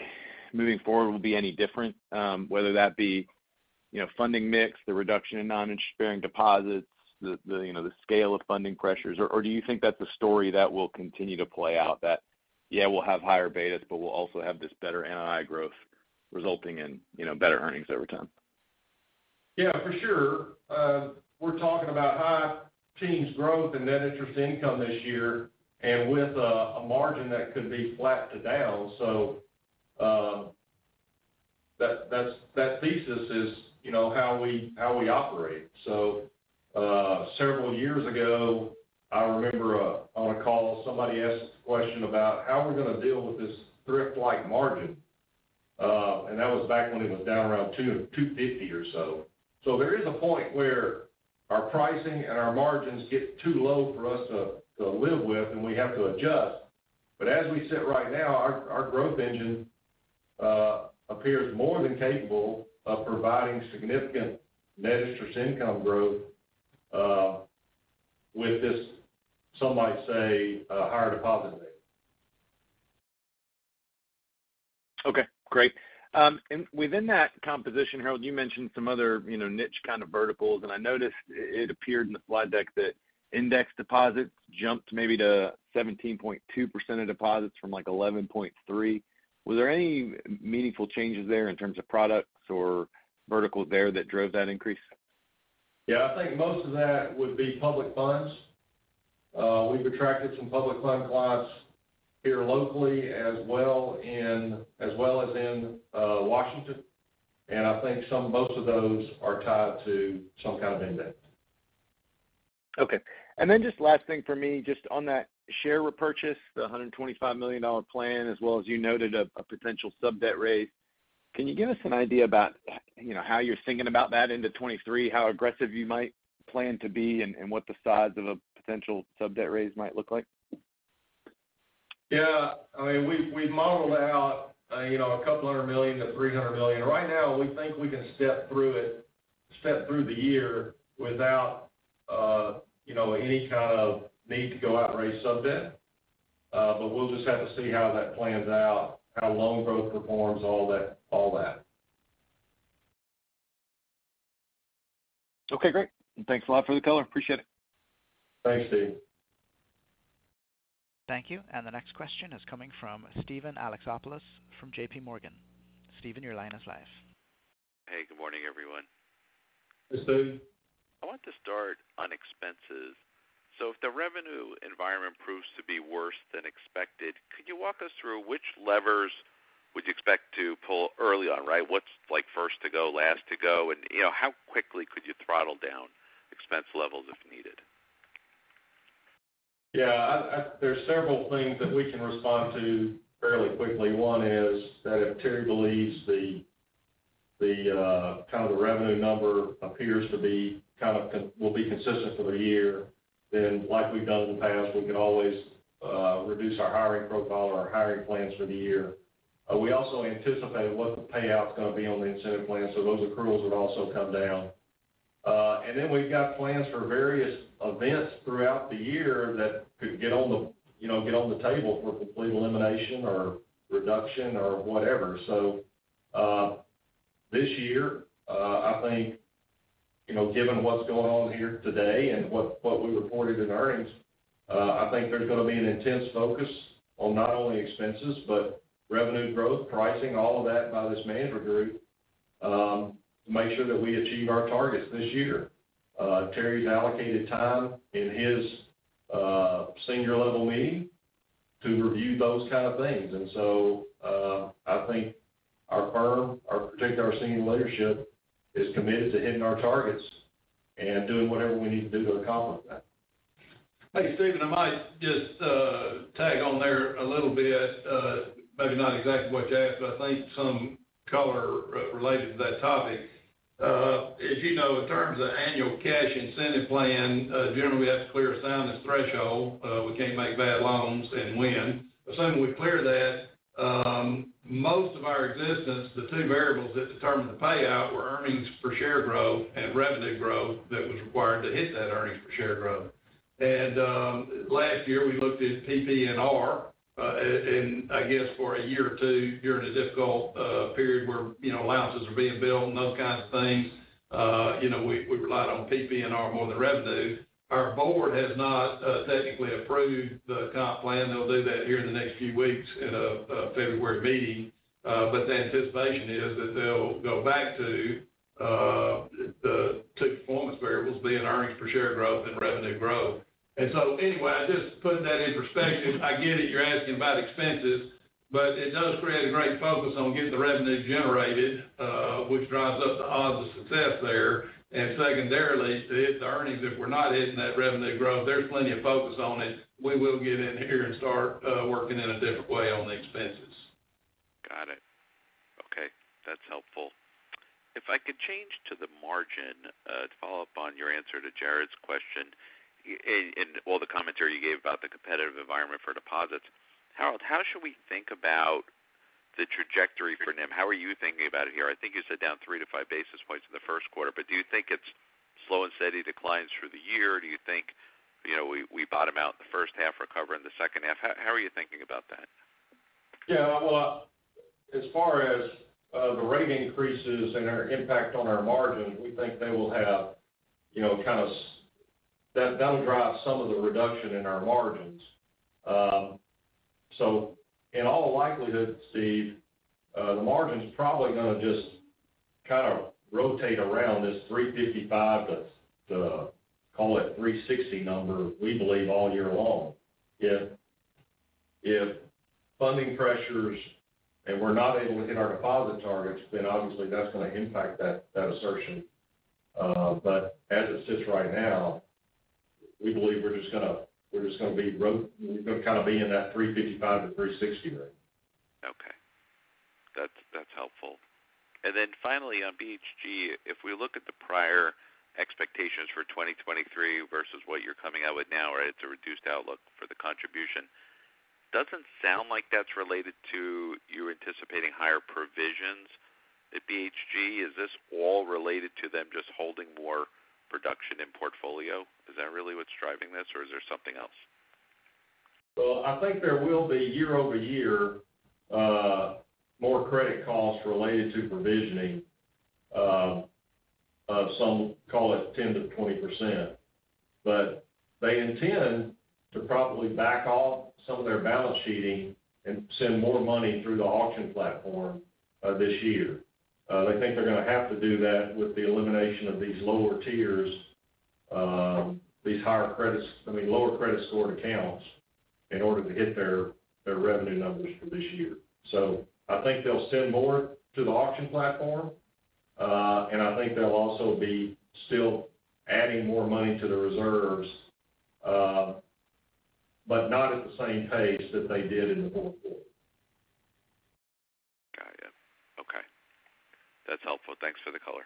moving forward will be any different, whether that be, you know, funding mix, the reduction in non-interest-bearing deposits, the, you know, the scale of funding pressures? Do you think that's a story that will continue to play out that, yeah, we'll have higher betas, but we'll also have this better NII growth resulting in, you know, better earnings over time? Yeah, for sure. We're talking about high teens growth in net interest income this year and with a margin that could be flat to down. That thesis is, you know, how we, how we operate. Several years ago, I remember on a call, somebody asked a question about how we're gonna deal with this thrift-like margin. And that was back when it was down around 2.00%-2.50% or so. There is a point where our pricing and our margins get too low for us to live with, and we have to adjust. As we sit right now, our growth engine appears more than capable of providing significant net interest income growth with this, some might say, a higher deposit rate. Okay, great. Within that composition, Harold, you mentioned some other, you know, niche kind of verticals, and I noticed it appeared in the slide deck that index deposits jumped maybe to 17.2% of deposits from, like, 11.3. Were there any meaningful changes there in terms of products or verticals there that drove that increase? Yeah. I think most of that would be public funds. We've attracted some public fund clients here locally as well as in Washington. I think most of those are tied to some kind of index. Okay. Just last thing for me, just on that share repurchase, the $125 million plan, as well as you noted a potential sub-debt raise. Can you give us an idea about, you know, how you're thinking about that into 2023, how aggressive you might plan to be and what the size of a potential sub-debt raise might look like? Yeah. I mean, we've modeled out, you know, $200 million-$300 million. Right now, we think we can step through it, step through the year without, you know, any kind of need to go out and raise sub-debt. We'll just have to see how that plans out, how loan growth performs, all that. Okay, great. Thanks a lot for the color. Appreciate it. Thanks, Steve. Thank you. The next question is coming from Steven Alexopoulos from JPMorgan. Steven, your line is live. Hey, good morning, everyone. Hey, Steve. If the revenue environment proves to be worse than expected, could you walk us through which levers would you expect to pull early on, right? What's like first to go, last to go, and, you know, how quickly could you throttle down expense levels if needed? There's several things that we can respond to fairly quickly. One is that if Terry believes the, kind of the revenue number appears to be kind of will be consistent for the year, like we've done in the past, we could always reduce our hiring profile or our hiring plans for the year. We also anticipate what the payout's gonna be on the incentive plan, so those accruals would also come down. We've got plans for various events throughout the year that could get on the, you know, get on the table for complete elimination or reduction or whatever. This year, I think, you know, given what's going on here today and what we reported in earnings, I think there's gonna be an intense focus on not only expenses, but revenue growth, pricing, all of that by this management group, to make sure that we achieve our targets this year. Terry's allocated time in his senior level meeting to review those kind of things. I think our firm, particularly our senior leadership, is committed to hitting our targets and doing whatever we need to do to accomplish that. Hey, Steven, I might just tag on there a little bit. Maybe not exactly what you asked, but I think some color re-related to that topic. As you know, in terms of annual cash incentive plan, generally we have to clear a soundness threshold. We can't make bad loans and win. Assume we clear that, most of our existence, the two variables that determine the payout were earnings per share growth and revenue growth that was required to hit that earnings per share growth. last year we looked at PPNR, and I guess for a year or two during a difficult period where, you know, allowances were being built and those kinds of things, you know, we relied on PPNR more than revenue. Our board has not technically approved the comp plan. They'll do that here in the next few weeks in a February meeting. The anticipation is that they'll go back to the two performance variables, being earnings per share growth and revenue growth. Anyway, I just put that in perspective. I get it, you're asking about expenses, but it does create a great focus on getting the revenue generated, which drives up the odds of success there. Secondarily, to hit the earnings, if we're not hitting that revenue growth, there's plenty of focus on it. We will get in here and start working in a different way on the expenses. Got it. Okay. That's helpful. If I could change to the margin, to follow up on your answer to Jared's question. All the commentary you gave about the competitive environment for deposits. Harold, how should we think about the trajectory for NIM? How are you thinking about it here? I think you said down 3 to 5 basis points in the first quarter, but do you think it's slow and steady declines through the year? Do you think, you know, we bottom out in the first half, recover in the second half? How are you thinking about that? Well, as far as the rate increases and our impact on our margin, we think they will have, you know, that'll drive some of the reduction in our margins. In all likelihood, Steve, the margin's probably gonna just kind of rotate around this 3.55%, but the call it 3.60% number, we believe all year long. If funding pressures and we're not able to hit our deposit targets, then obviously that's gonna impact that assertion. As it sits right now, we believe we're just gonna kind of be in that 3.55%-3.60% range. Okay. That's helpful. Finally on BHG, if we look at the prior expectations for 2023 versus what you're coming out with now, right? It's a reduced outlook for the contribution. Doesn't sound like that's related to you anticipating higher provisions at BHG. Is this all related to them just holding more production in portfolio? Is that really what's driving this, or is there something else? Well, I think there will be year-over-year, more credit costs related to provisioning, of some call it 10%-20%. They intend to probably back off some of their balance sheeting and send more money through the auction platform this year. They think they're gonna have to do that with the elimination of these lower tiers, these higher credits, I mean, lower credit score accounts in order to hit their revenue numbers for this year. I think they'll send more to the auction platform, and I think they'll also be still adding more money to the reserves, but not at the same pace that they did in the fourth quarter. Got it. Okay. That's helpful. Thanks for the color.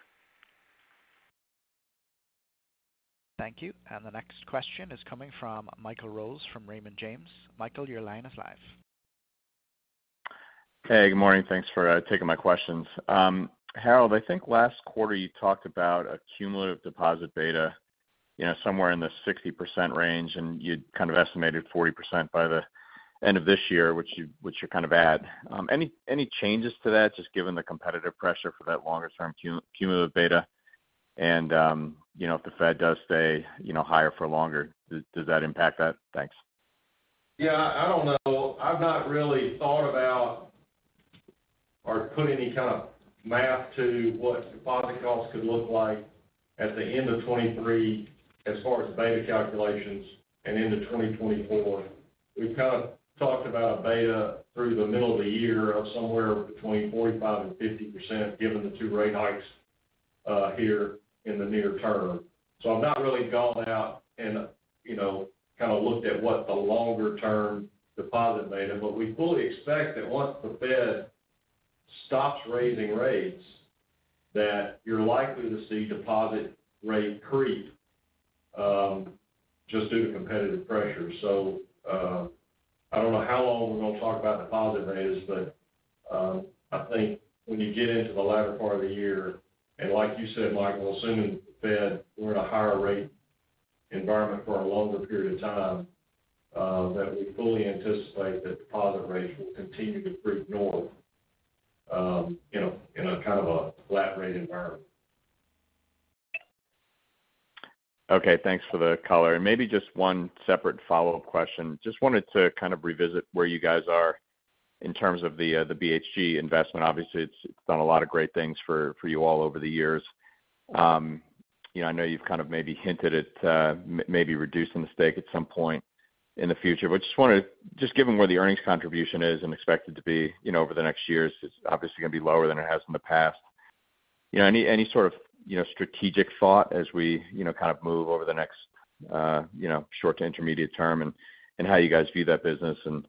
Thank you. The next question is coming from Michael Rose, from Raymond James. Michael, your line is live. Hey, good morning. Thanks for taking my questions. Harold, I think last quarter you talked about a cumulative deposit beta, you know, somewhere in the 60% range, and you'd kind of estimated 40% by the end of this year, which you kind of had. Any changes to that, just given the competitive pressure for that longer term cumulative beta? You know, if the Fed does stay, you know, higher for longer, does that impact that? Thanks. Yeah, I don't know. I've not really thought about or put any kind of math to what deposit costs could look like at the end of 2023 as far as beta calculations and into 2024. We've kind of talked about a beta through the middle of the year of somewhere between 45% and 50% given the two rate hikes here in the near term. I've not really gone out and, you know, kind of looked at what the longer term deposit beta, but we fully expect that once the Fed stops raising rates, that you're likely to see deposit rate creep just due to competitive pressure. I don't know how long we're going to talk about deposit rates, I think when you get into the latter part of the year, and like you said, Michael, assuming the Fed, we're in a higher rate environment for a longer period of time, that we fully anticipate that deposit rates will continue to creep north, you know, in a kind of a flat rate environment. Okay, thanks for the color. Maybe just 1 separate follow-up question. Just wanted to kind of revisit where you guys are in terms of the BHG investment. Obviously, it's done a lot of great things for you all over the years. You know, I know you've kind of maybe hinted at maybe reducing the stake at some point in the future. Just given where the earnings contribution is and expected to be, you know, over the next years, it's obviously going to be lower than it has in the past. You know, any sort of, you know, strategic thought as we, you know, kind of move over the next, you know, short to intermediate term and how you guys view that business and,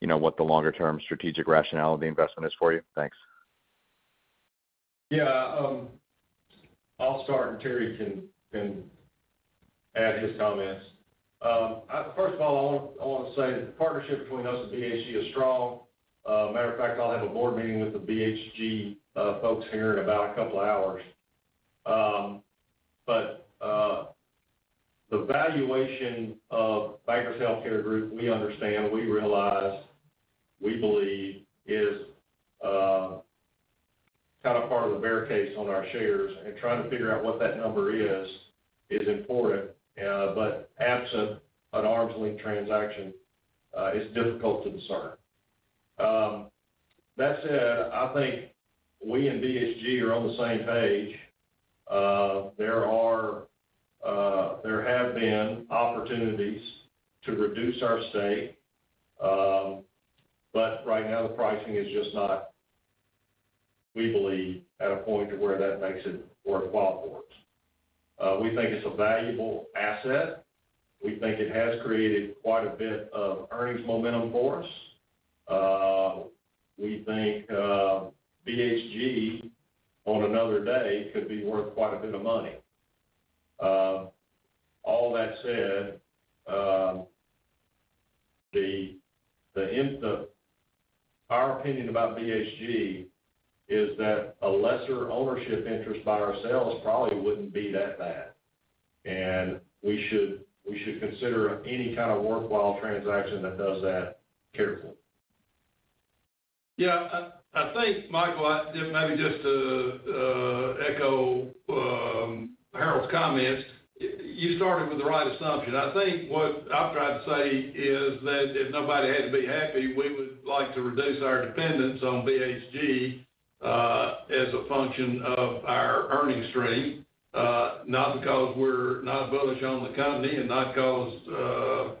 you know, what the longer term strategic rationale of the investment is for you? Thanks. Yeah, I'll start and Terry can add his comments. First of all, I want to say the partnership between us and BHG is strong. Matter of fact, I'll have a board meeting with the BHG folks here in about 2 hours. The valuation of Bankers Healthcare Group, we understand, we realize, we believe is kind of part of the bear case on our shares and trying to figure out what that number is important. Absent an arm's length transaction, is difficult to discern. That said, I think we and BHG are on the same page. There are, there have been opportunities to reduce our stake, but right now the pricing is just not, we believe, at a point to where that makes it worthwhile for us. We think it's a valuable asset. We think it has created quite a bit of earnings momentum for us. We think BHG on another day could be worth quite a bit of money. All that said, our opinion about BHG is that a lesser ownership interest by ourselves probably wouldn't be that bad. We should consider any kind of worthwhile transaction that does that carefully. Yeah, I think, Michael, if maybe just to echo Harold's comments, you started with the right assumption. I think what I've tried to say is that if nobody had to be happy, we would like to reduce our dependence on BHG as a function of our earnings stream. Not because we're not bullish on the company and not because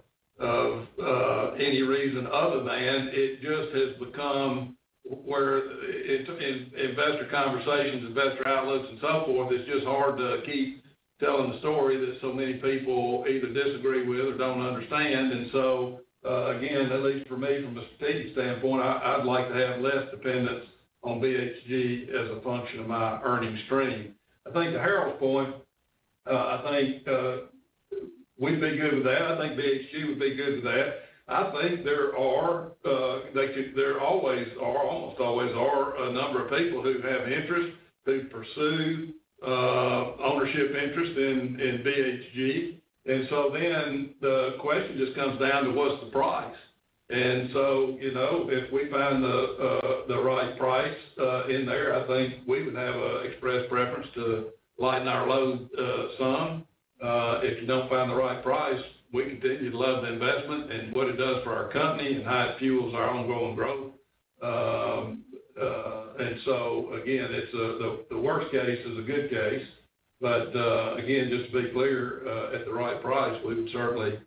any reason other than, it just has become where in investor conversations, investor outlets and so forth, it's just hard to keep telling the story that so many people either disagree with or don't understand. Again, at least for me from a strategic standpoint, I'd like to have less dependence on BHG as a function of my earnings stream. I think to Harold's point, I think we'd be good with that. I think BHG would be good with that. I think there always are, almost always are a number of people who have interest, who pursue ownership interest in BHG. The question just comes down to what's the price. You know, if we find the right price in there, I think we would have an expressed preference to lighten our load some. If you don't find the right price, we continue to love the investment and what it does for our company and how it fuels our ongoing growth. Again, it's the worst case is a good case. Again, just to be clear, at the right price, we would certainly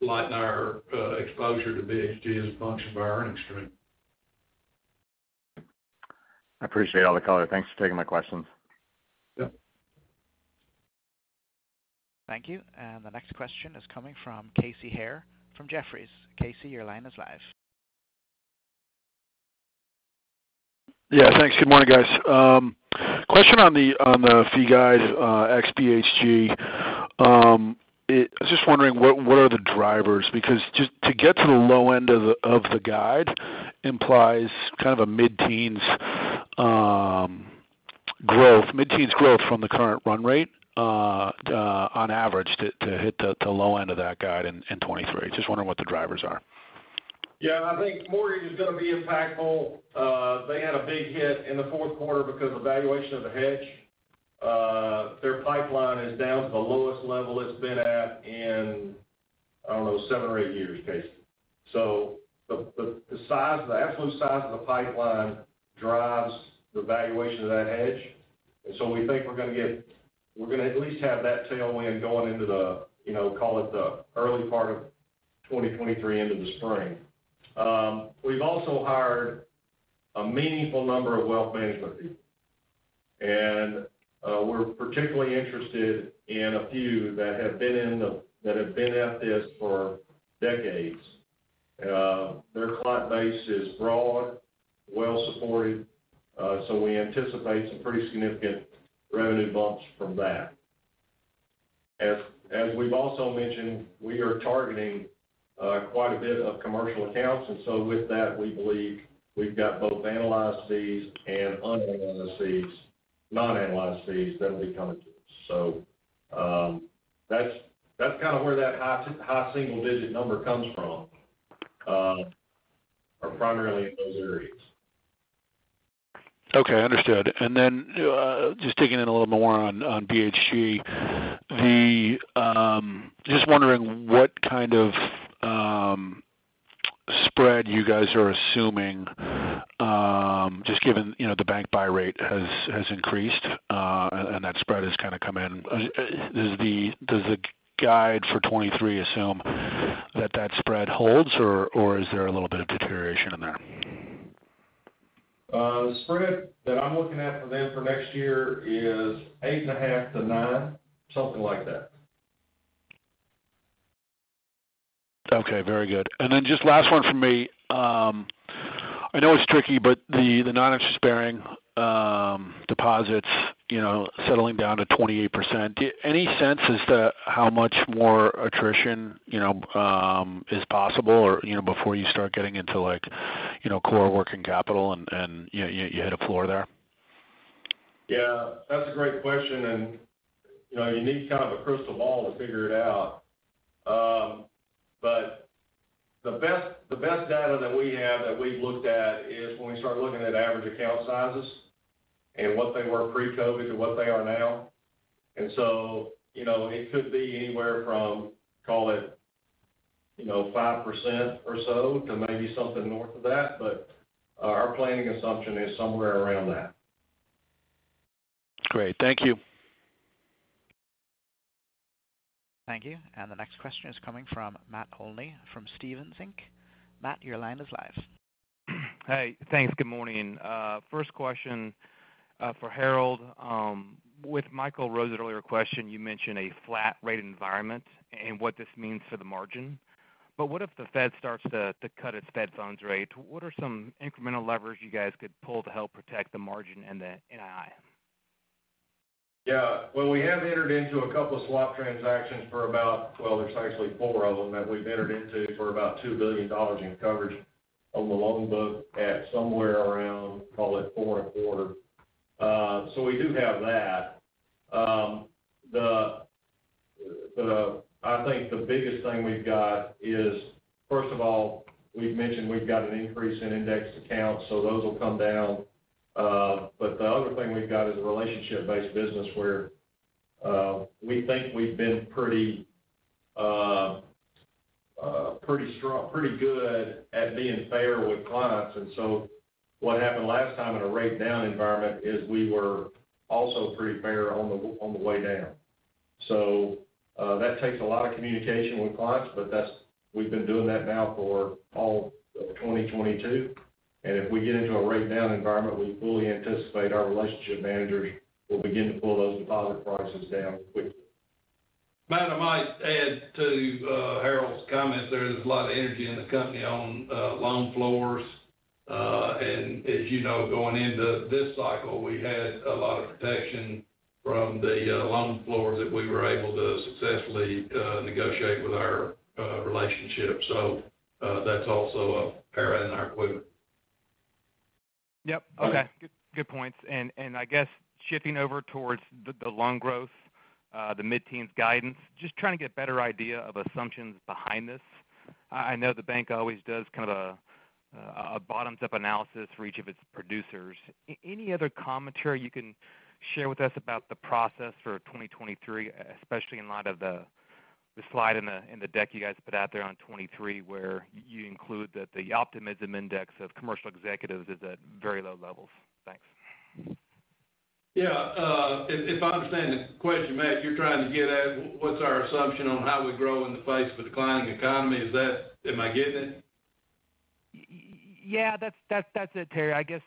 lighten our exposure to BHG as a function of our earnings stream. I appreciate all the color. Thanks for taking my questions. Yep. Thank you. The next question is coming from Casey Haire from Jefferies. Casey, your line is live. Yeah, thanks. Good morning, guys. Question on the fee guide, ex BHG? I was just wondering what are the drivers? Just to get to the low end of the guide implies kind of a mid-teens growth from the current run rate on average to hit the low end of that guide in 2023. Just wondering what the drivers are. I think mortgage is going to be impactful. Big hit in the fourth quarter because of valuation of the hedge. Their pipeline is down to the lowest level it's been at in, I don't know, 7 or 8 years, Casey. The absolute size of the pipeline drives the valuation of that hedge. We're going to at least have that tailwind going into the, you know, call it the early part of 2023 into the spring. We've also hired a meaningful number of wealth management people. We're particularly interested in a few that have been at this for decades. Their client base is broad, well supported, we anticipate some pretty significant revenue bumps from that. As we've also mentioned, we are targeting quite a bit of commercial accounts. With that, we believe we've got both analyzed fees and unanalyzed fees, non-analyzed fees that'll be coming to us. That's kind of where that high single-digit number comes from, are primarily in those areas. Okay, understood. Then, just digging in a little more on BHG. Just wondering what kind of spread you guys are assuming, just given, you know, the bank buy rate has increased, and that spread has kind of come in. Does the guide for 23 assume that that spread holds, or is there a little bit of deterioration in there? The spread that I'm looking at for them for next year is 8.5-9, something like that. Okay, very good. Then just last one from me. I know it's tricky, but the non-interest-bearing deposits, you know, settling down to 28%. Any sense as to how much more attrition, you know, is possible or, you know, before you start getting into like, you know, core working capital and, you know, you hit a floor there? Yeah, that's a great question and, you know, you need kind of a crystal ball to figure it out. The best data that we have, that we've looked at is when we start looking at average account sizes and what they were pre-COVID to what they are now. You know, it could be anywhere from, call it, you know, 5% or so to maybe something north of that. Our planning assumption is somewhere around that. Great. Thank you. Thank you. The next question is coming from Matt Olney from Stephens Inc. Matt, your line is live. Hey, thanks. Good morning. First question for Harold. With Michael Rose's earlier question, you mentioned a flat rate environment and what this means for the margin. What if the Fed starts to cut its Fed funds rate? What are some incremental levers you guys could pull to help protect the margin and the NII? Well, we have entered into 2 swap transactions for about. Well, there's actually 4 of them that we've entered into for about $2 billion in coverage on the loan book at somewhere around, call it, 4 and a quarter. We do have that. I think the biggest thing we've got is, first of all, we've mentioned we've got an increase in indexed accounts, those will come down. The other thing we've got is a relationship-based business where, we think we've been pretty strong, pretty good at being fair with clients. What happened last time in a rate down environment is we were also pretty fair on the way down. That takes a lot of communication with clients, but we've been doing that now for all of 2022. If we get into a rate down environment, we fully anticipate our relationship managers will begin to pull those deposit prices down quickly. Matt, I might add to Harold's comments there. There's a lot of energy in the company on loan floors. As you know, going into this cycle, we had a lot of protection from the loan floors that we were able to successfully negotiate with our relationships. That's also an arrow in our quiver. Yep. Okay. Good, good points. I guess shifting over towards the loan growth, the mid-teens guidance, just trying to get a better idea of assumptions behind this. I know the bank always does kind of a bottoms-up analysis for each of its producers. Any other commentary you can share with us about the process for 2023, especially in light of the slide in the, in the deck you guys put out there on 2023, where you include that the optimism index of commercial executives is at very low levels? Thanks. Yeah. If I understand the question, Matt, you're trying to get at what's our assumption on how we grow in the face of a declining economy. Am I getting it? Yeah, that's it, Terry. I guess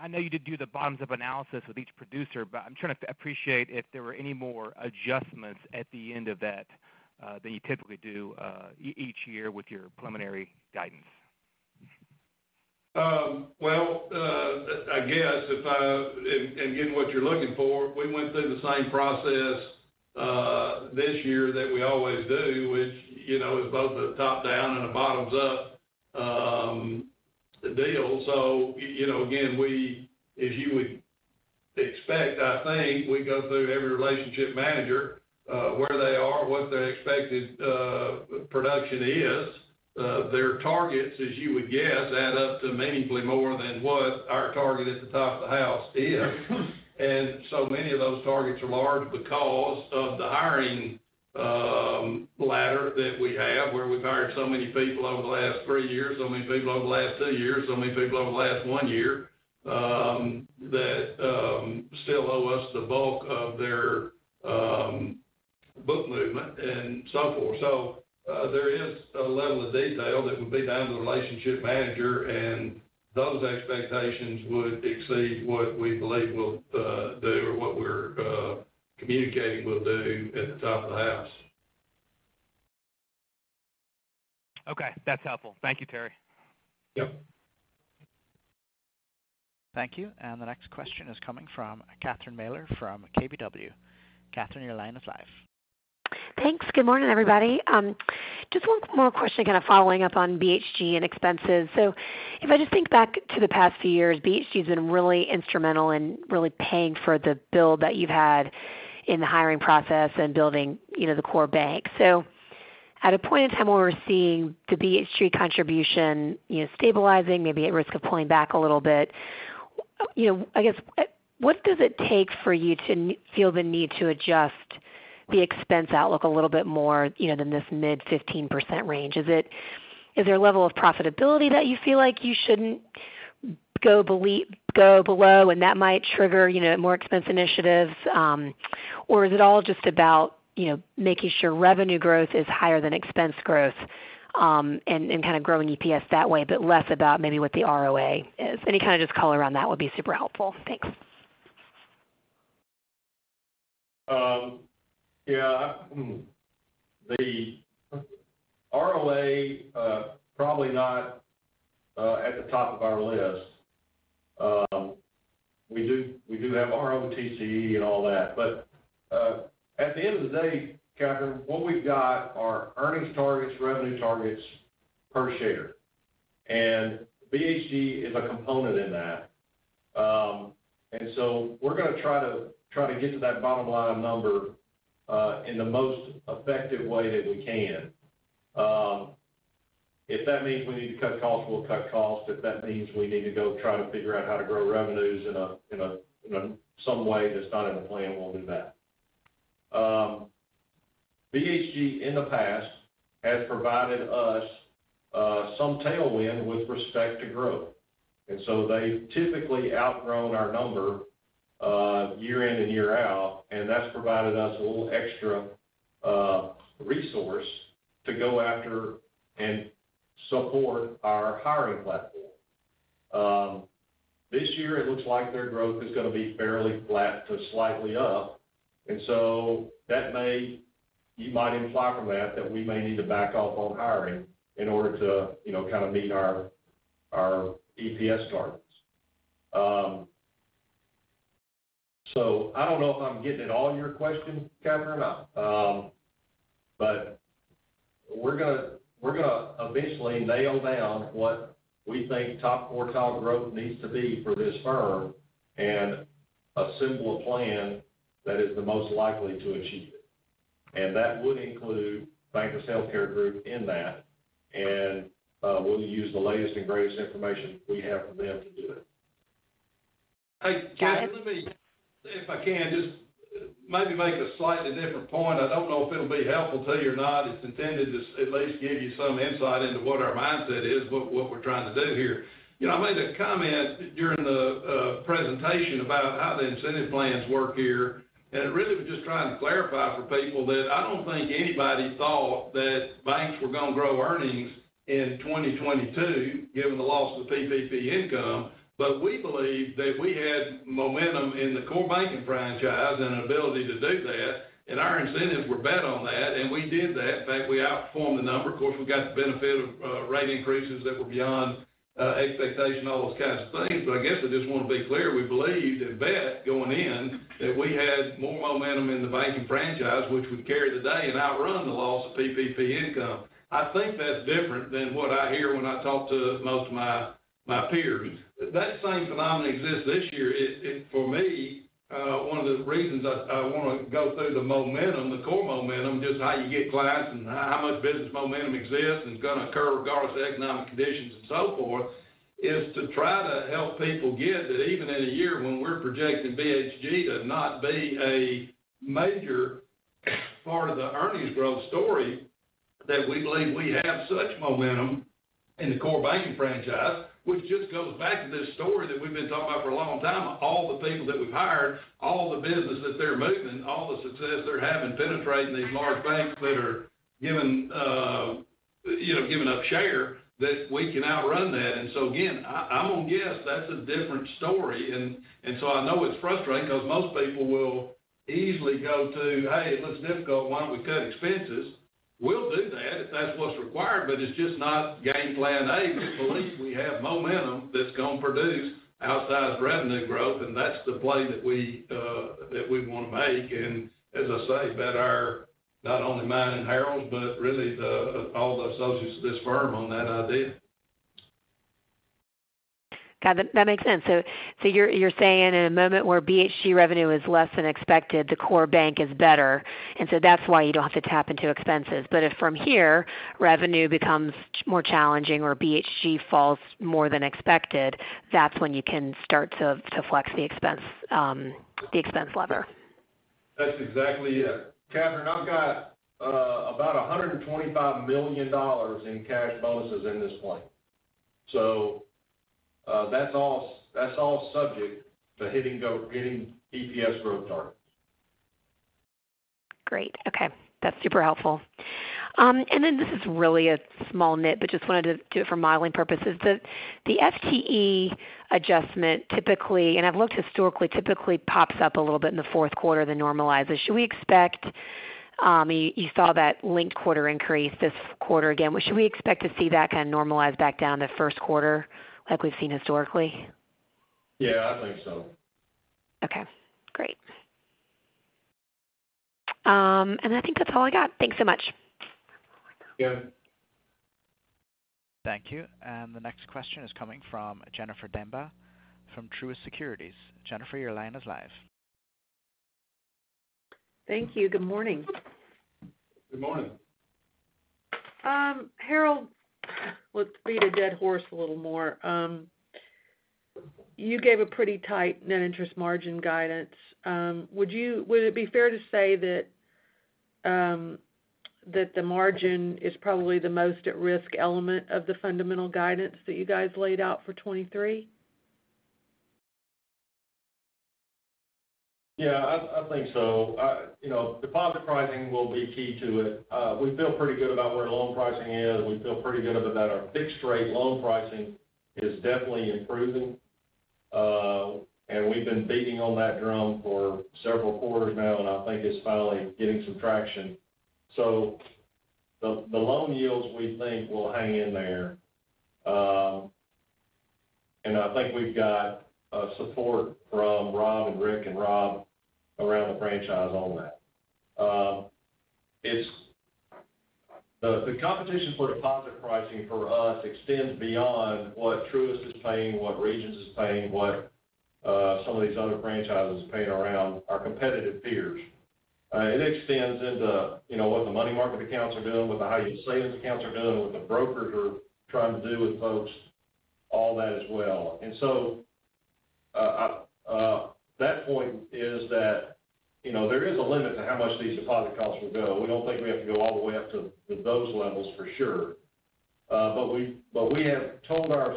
I know you did do the bottoms-up analysis with each producer, I'm trying to appreciate if there were any more adjustments at the end of that than you typically do each year with your preliminary guidance. Well, I guess in getting what you're looking for, we went through the same process this year that we always do, which, you know, is both a top-down and a bottoms-up deal. You know, again, we expect, I think we go through every relationship manager, where they are, what their expected production is. Their targets, as you would guess, add up to meaningfully more than what our target at the top of the house is. Many of those targets are large because of the hiring ladder that we have, where we've hired so many people over the last 3 years, so many people over the last 2 years, so many people over the last 1 year, that still owe us the bulk of their book movement and so forth. There is a level of detail that would be down to the relationship manager, and those expectations would exceed what we believe we'll do or what we're communicating we'll do at the top of the house. Okay. That's helpful. Thank you, Terry. Yep. Thank you. The next question is coming from Catherine Mealor from KBW. Catherine, your line is live. Thanks. Good morning, everybody. Just one more question kind of following up on BHG and expenses. If I just think back to the past few years, BHG has been really instrumental in really paying for the build that you've had in the hiring process and building, you know, the core bank. At a point in time when we're seeing the BHG contribution, you know, stabilizing, maybe at risk of pulling back a little bit, you know, I guess, what does it take for you to feel the need to adjust the expense outlook a little bit more, you know, than this mid 15% range? Is there a level of profitability that you feel like you shouldn't go below, and that might trigger, you know, more expense initiatives? Is it all just about, you know, making sure revenue growth is higher than expense growth, and kind of growing EPS that way, but less about maybe what the ROA is? Any kind of just color around that would be super helpful. Thanks. Yeah. The ROA probably not at the top of our list. We do have ROTCE and all that. At the end of the day, Catherine, what we've got are earnings targets, revenue targets per share, and BHG is a component in that. We're gonna try to get to that bottom line number in the most effective way that we can. If that means we need to cut costs, we'll cut costs. If that means we need to go try to figure out how to grow revenues in some way that's not in the plan, we'll do that. BHG in the past has provided us some tailwind with respect to growth. They've typically outgrown our number, year-in and year-out, and that's provided us a little extra resource to go after and support our hiring platform. This year, it looks like their growth is going to be fairly flat to slightly up. That you might imply from that we may need to back off on hiring in order to, you know, kind of meet our EPS targets. I don't know if I'm getting at all your question, Catherine, or not. We're gonna eventually nail down what we think top quartile growth needs to be for this firm and assemble a plan that is the most likely to achieve it. That would include Bankers Healthcare Group in that. We'll use the latest and greatest information we have from them to do it. Got it. Hey, let me, if I can just maybe make a slightly different point. I don't know if it'll be helpful to you or not. It's intended to at least give you some insight into what our mindset is, what we're trying to do here. You know, I made a comment during the presentation about how the incentive plans work here, and it really was just trying to clarify for people that I don't think anybody thought that banks were going to grow earnings in 2022, given the loss of PPP income. We believe that we had momentum in the core banking franchise and an ability to do that, and our incentives were bet on that, and we did that. In fact, we outperformed the number. Of course, we got the benefit of rate increases that were beyond expectation, all those kinds of things. I guess I just want to be clear, we believed and bet going in that we had more momentum in the banking franchise, which we carry today, and outrun the loss of PPP income. I think that's different than what I hear when I talk to most of my peers. That same phenomenon exists this year. For me, one of the reasons I want to go through the momentum, the core momentum, just how you get clients and how much business momentum exists and is going to occur regardless of economic conditions and so forth, is to try to help people get that even in a year when we're projecting BHG to not be a major part of the earnings growth story, that we believe we have such momentum in the core banking franchise, which just goes back to this story that we've been talking about for a long time. All the people that we've hired, all the business that they're moving, all the success they're having penetrating these large banks that are giving, you know, giving up share, that we can outrun that. Again, I'm going to guess that's a different story. I know it's frustrating because most people will easily go to, "Hey, it looks difficult. Why don't we cut expenses?" We'll do that if that's what's required, but it's just not game plan A. We believe we have momentum that's going to produce outsized revenue growth, and that's the play that we want to make. As I say, bet our, not only mine and Harold, but really all the associates of this firm on that idea. Got it. That makes sense. You're saying in a moment where BHG revenue is less than expected, the core bank is better, and so that's why you don't have to tap into expenses. If from here, revenue becomes more challenging or BHG falls more than expected, that's when you can start to flex the expense, the expense lever. That's exactly it. Catherine, I've got about $125 million in cash bonuses in this plan. That's all subject to hitting getting EPS growth targets. Great. Okay. That's super helpful. This is really a small nit, but just wanted to do it for modeling purposes. The FTE adjustment typically, and I've looked historically, typically pops up a little bit in the fourth quarter, then normalizes. Should we expect, you saw that linked quarter increase this quarter again. Should we expect to see that kind of normalize back down to first quarter like we've seen historically? Yeah, I think so. Okay, great. I think that's all I got. Thanks so much. Yeah. Thank you. The next question is coming from Jennifer Demba from Truist Securities. Jennifer, your line is live. Thank you. Good morning. Good morning. Harold, let's beat a dead horse a little more. Would it be fair to say that the margin is probably the most at risk element of the fundamental guidance that you guys laid out for 23? Yeah. I think so. you know, deposit pricing will be key to it. We feel pretty good about where the loan pricing is. We feel pretty good about our fixed rate loan pricing is definitely improving. We've been beating on that drum for several quarters now, and I think it's finally getting some traction. The loan yields, we think, will hang in there. I think we've got support from Rob and Rick and Rob around the franchise on that. The competition for deposit pricing for us extends beyond what Truist is paying, what Regions is paying, what, some of these other franchises are paying around our competitive peers. It extends into, you know, what the money market accounts are doing, what the high yield savings accounts are doing, what the brokers are trying to do with folks, all that as well. That point is that, you know, there is a limit to how much these deposit costs will go. We don't think we have to go all the way up to those levels for sure. But we have told our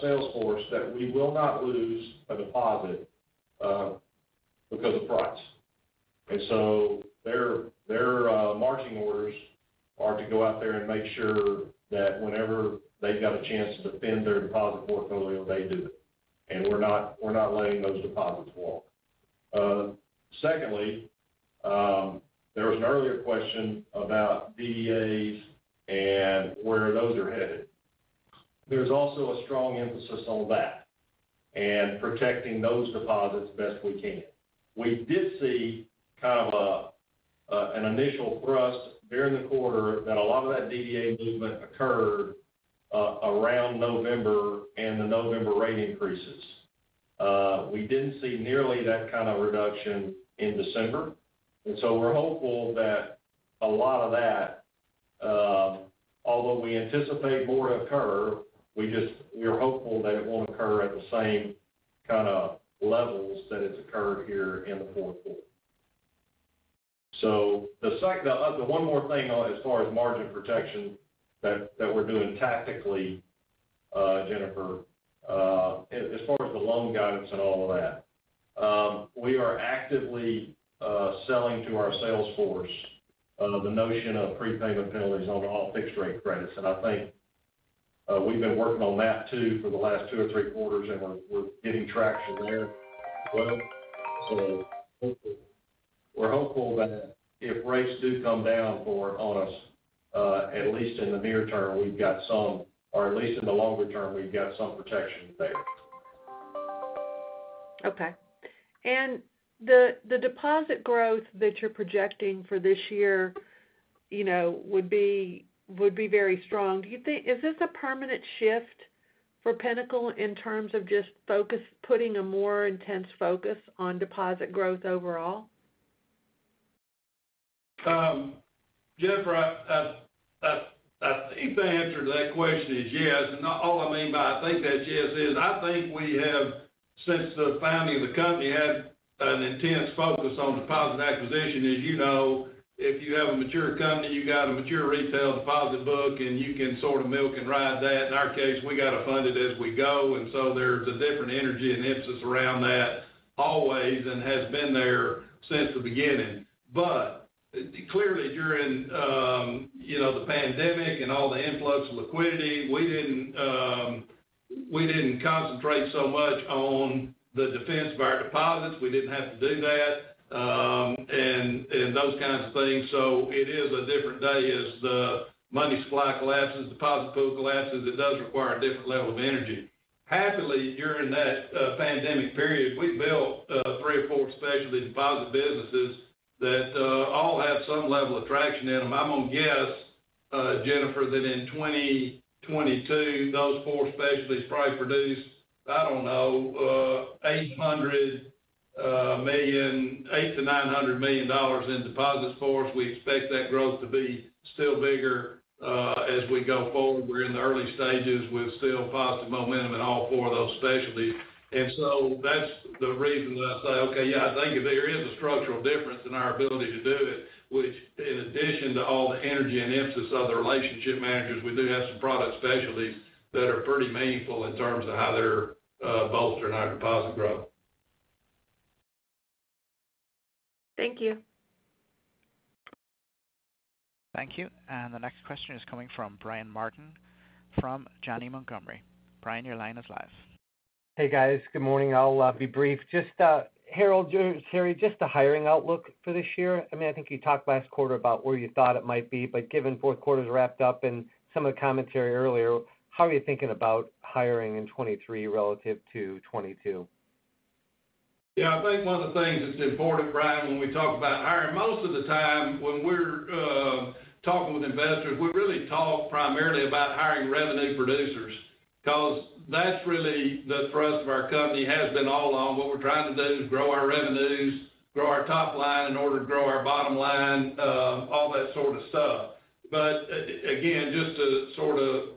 sales force that we will not lose a deposit because of price. Their marching orders are to go out there and make sure that whenever they've got a chance to defend their deposit portfolio, they do it. We're not letting those deposits walk. Secondly, there was an earlier question about DDAs and where those are headed. There's also a strong emphasis on that and protecting those deposits best we can. We did see kind of an initial thrust during the quarter that a lot of that DDA movement occurred around November and the November rate increases. We didn't see nearly that kind of reduction in December. We're hopeful that a lot of that, although we anticipate more to occur, we're hopeful that it won't occur at the same kind of levels that it's occurred here in the fourth quarter. The one more thing on as far as margin protection that we're doing tactically, Jennifer, as far as the loan guidance and all of that, we are actively selling to our sales force the notion of prepayment penalties on all fixed-rate credits. I think, we've been working on that, too, for the last two or three quarters, and we're getting traction there as well. We're hopeful that if rates do come down on us, at least in the near term, or at least in the longer term, we've got some protection there. The deposit growth that you're projecting for this year, you know, would be very strong. Is this a permanent shift for Pinnacle in terms of just focus, putting a more intense focus on deposit growth overall? Jennifer, I think the answer to that question is yes. All I mean by I think that yes is, I think we have, since the founding of the company, had an intense focus on deposit acquisition. As you know, if you have a mature company, you got a mature retail deposit book, and you can sort of milk and ride that. In our case, we got to fund it as we go, and so there's a different energy and emphasis around that always and has been there since the beginning. Clearly, during, you know, the pandemic and all the influx of liquidity, we didn't concentrate so much on the defense of our deposits. We didn't have to do that, and those kinds of things. It is a different day as the money supply collapses, deposit pool collapses. It does require a different level of energy. Happily, during that pandemic period, we built three or four specialty deposit businesses that all have some level of traction in them. I'm gonna guess, Jennifer, that in 2022, those four specialties probably produced, I don't know, $800 million-$900 million in deposits for us. We expect that growth to be still bigger as we go forward. We're in the early stages with still positive momentum in all four of those specialties. That's the reason that I say, okay, yeah, I think there is a structural difference in our ability to do it, which in addition to all the energy and emphasis of the relationship managers, we do have some product specialties that are pretty meaningful in terms of how they're bolstering our deposit growth. Thank you. Thank you. The next question is coming from Brian Martin from Janney Montgomery. Brian, your line is live. Hey, guys. Good morning. I'll be brief. Harold, Terry, just the hiring outlook for this year. I mean, I think you talked last quarter about where you thought it might be, but given fourth quarter's wrapped up and some of the commentary earlier, how are you thinking about hiring in 23 relative to 22? Yeah, I think one of the things that's important, Brian, when we talk about hiring, most of the time when we're talking with investors, we really talk primarily about hiring revenue producers, 'cause that's really the thrust of our company, has been all along. What we're trying to do is grow our revenues, grow our top line in order to grow our bottom line, all that sort of stuff. Again, just to sort of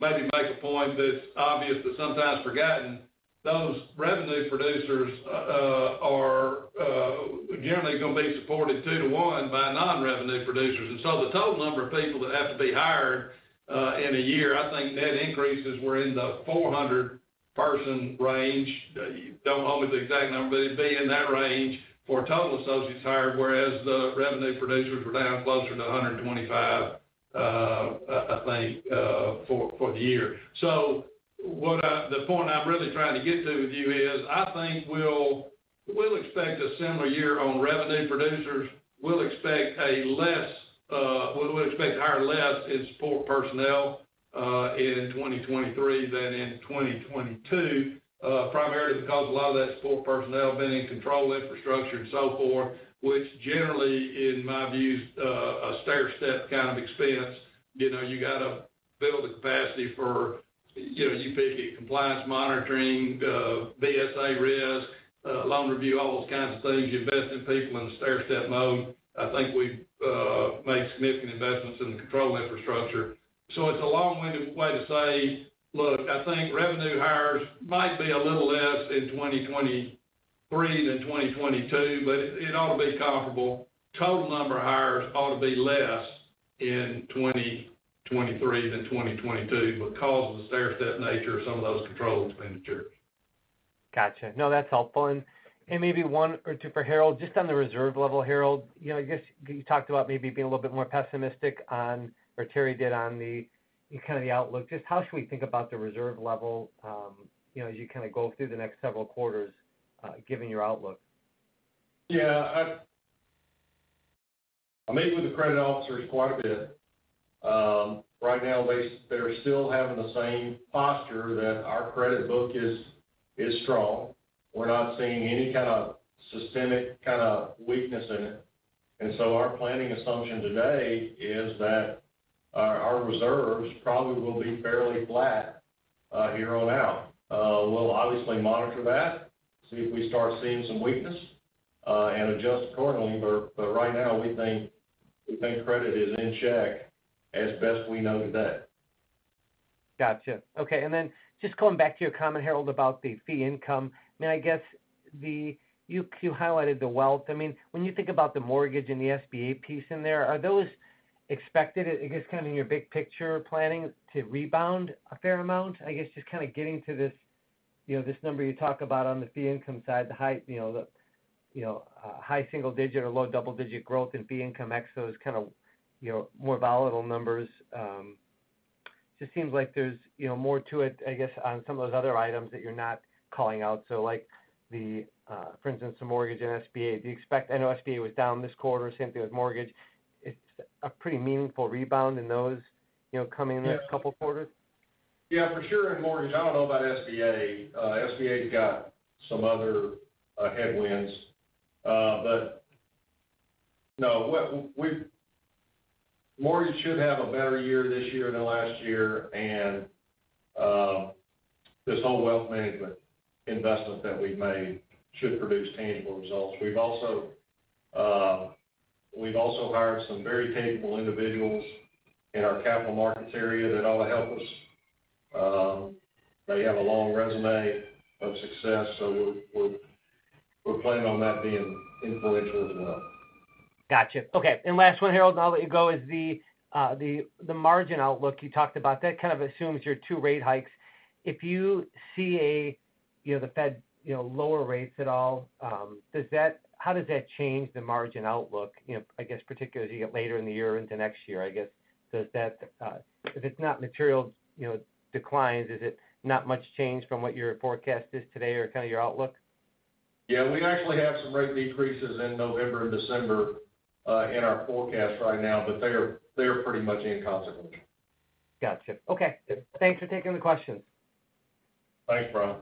maybe make a point that's obvious, but sometimes forgotten, those revenue producers are generally gonna be supported 2 to 1 by non-revenue producers. The total number of people that have to be hired in a year, I think net increases were in the 400 person range. Don't hold me to the exact number, but it'd be in that range for total associates hired, whereas the revenue producers were down closer to 125, I think, for the year. The point I'm really trying to get to with you is, I think we'll expect a similar year on revenue producers. We'll expect a less, what we'll expect to hire less is support personnel in 2023 than in 2022, primarily because a lot of that support personnel have been in control infrastructure and so forth, which generally, in my view is, a stairstep kind of expense. You know, you got to build the capacity for, you know, you pick a compliance monitoring, BSA res, loan review, all those kinds of things. You invest in people in the stairstep mode. I think we've made significant investments in the control infrastructure. It's a long-winded way to say, look, I think revenue hires might be a little less in 2023 than 2022, but it ought to be comparable. Total number of hires ought to be less in 2023 than 2022, because of the stairstep nature of some of those control expenditures. Gotcha. No, that's helpful. Maybe one or two for Harold, just on the reserve level, Harold. You know, I guess you talked about maybe being a little bit more pessimistic on, or Terry did, on the kind of the outlook. Just how should we think about the reserve level, you know, as you kind of go through the next several quarters, given your outlook? Yeah. I meet with the credit officers quite a bit. Right now they're still having the same posture that our credit book is strong. We're not seeing any kind of systemic kind of weakness in it. Our planning assumption today is that our reserves probably will be fairly flat here on out. We'll obviously monitor that, see if we start seeing some weakness and adjust accordingly. Right now we think credit is in check as best we know today. Gotcha. Okay. Just going back to your comment, Harold, about the fee income. I mean, I guess you highlighted the wealth. I mean, when you think about the mortgage and the SBA piece in there, are those expected, I guess, kind of in your big picture planning to rebound a fair amount? I guess just kind of getting to this, you know, this number you talk about on the fee income side, the high single digit or low double-digit growth in fee income ex those kind of, you know, more volatile numbers. Just seems like there's, you know, more to it, I guess, on some of those other items that you're not calling out. Like the, for instance, the mortgage and SBA. Do you expect? I know SBA was down this quarter, same thing with mortgage. It's a pretty meaningful rebound in those, you know. Yes. in the next couple quarters. Yeah, for sure in mortgage. I don't know about SBA. SBA's got some other headwinds. No, mortgage should have a better year this year than last year. This whole wealth management investment that we've made should produce tangible results. We've also hired some very capable individuals in our capital markets area that ought to help us. They have a long resume of success, we're planning on that being influential as well. Gotcha. Okay. Last one, Harold, and I'll let you go, is the margin outlook you talked about, that kind of assumes your two rate hikes. If you see a, you know, the Fed, you know, lower rates at all, how does that change the margin outlook, you know, I guess particularly later in the year into next year, I guess? Does that, if it's not material, you know, declines, is it not much change from what your forecast is today or kind of your outlook? We actually have some rate decreases in November and December in our forecast right now, but they are pretty much inconsequential. Gotcha. Okay. Thanks for taking the questions. Thanks, Brian.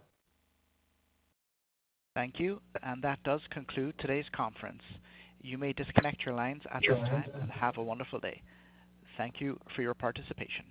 Thank you. That does conclude today's conference. You may disconnect your lines at this time, and have a wonderful day. Thank you for your participation.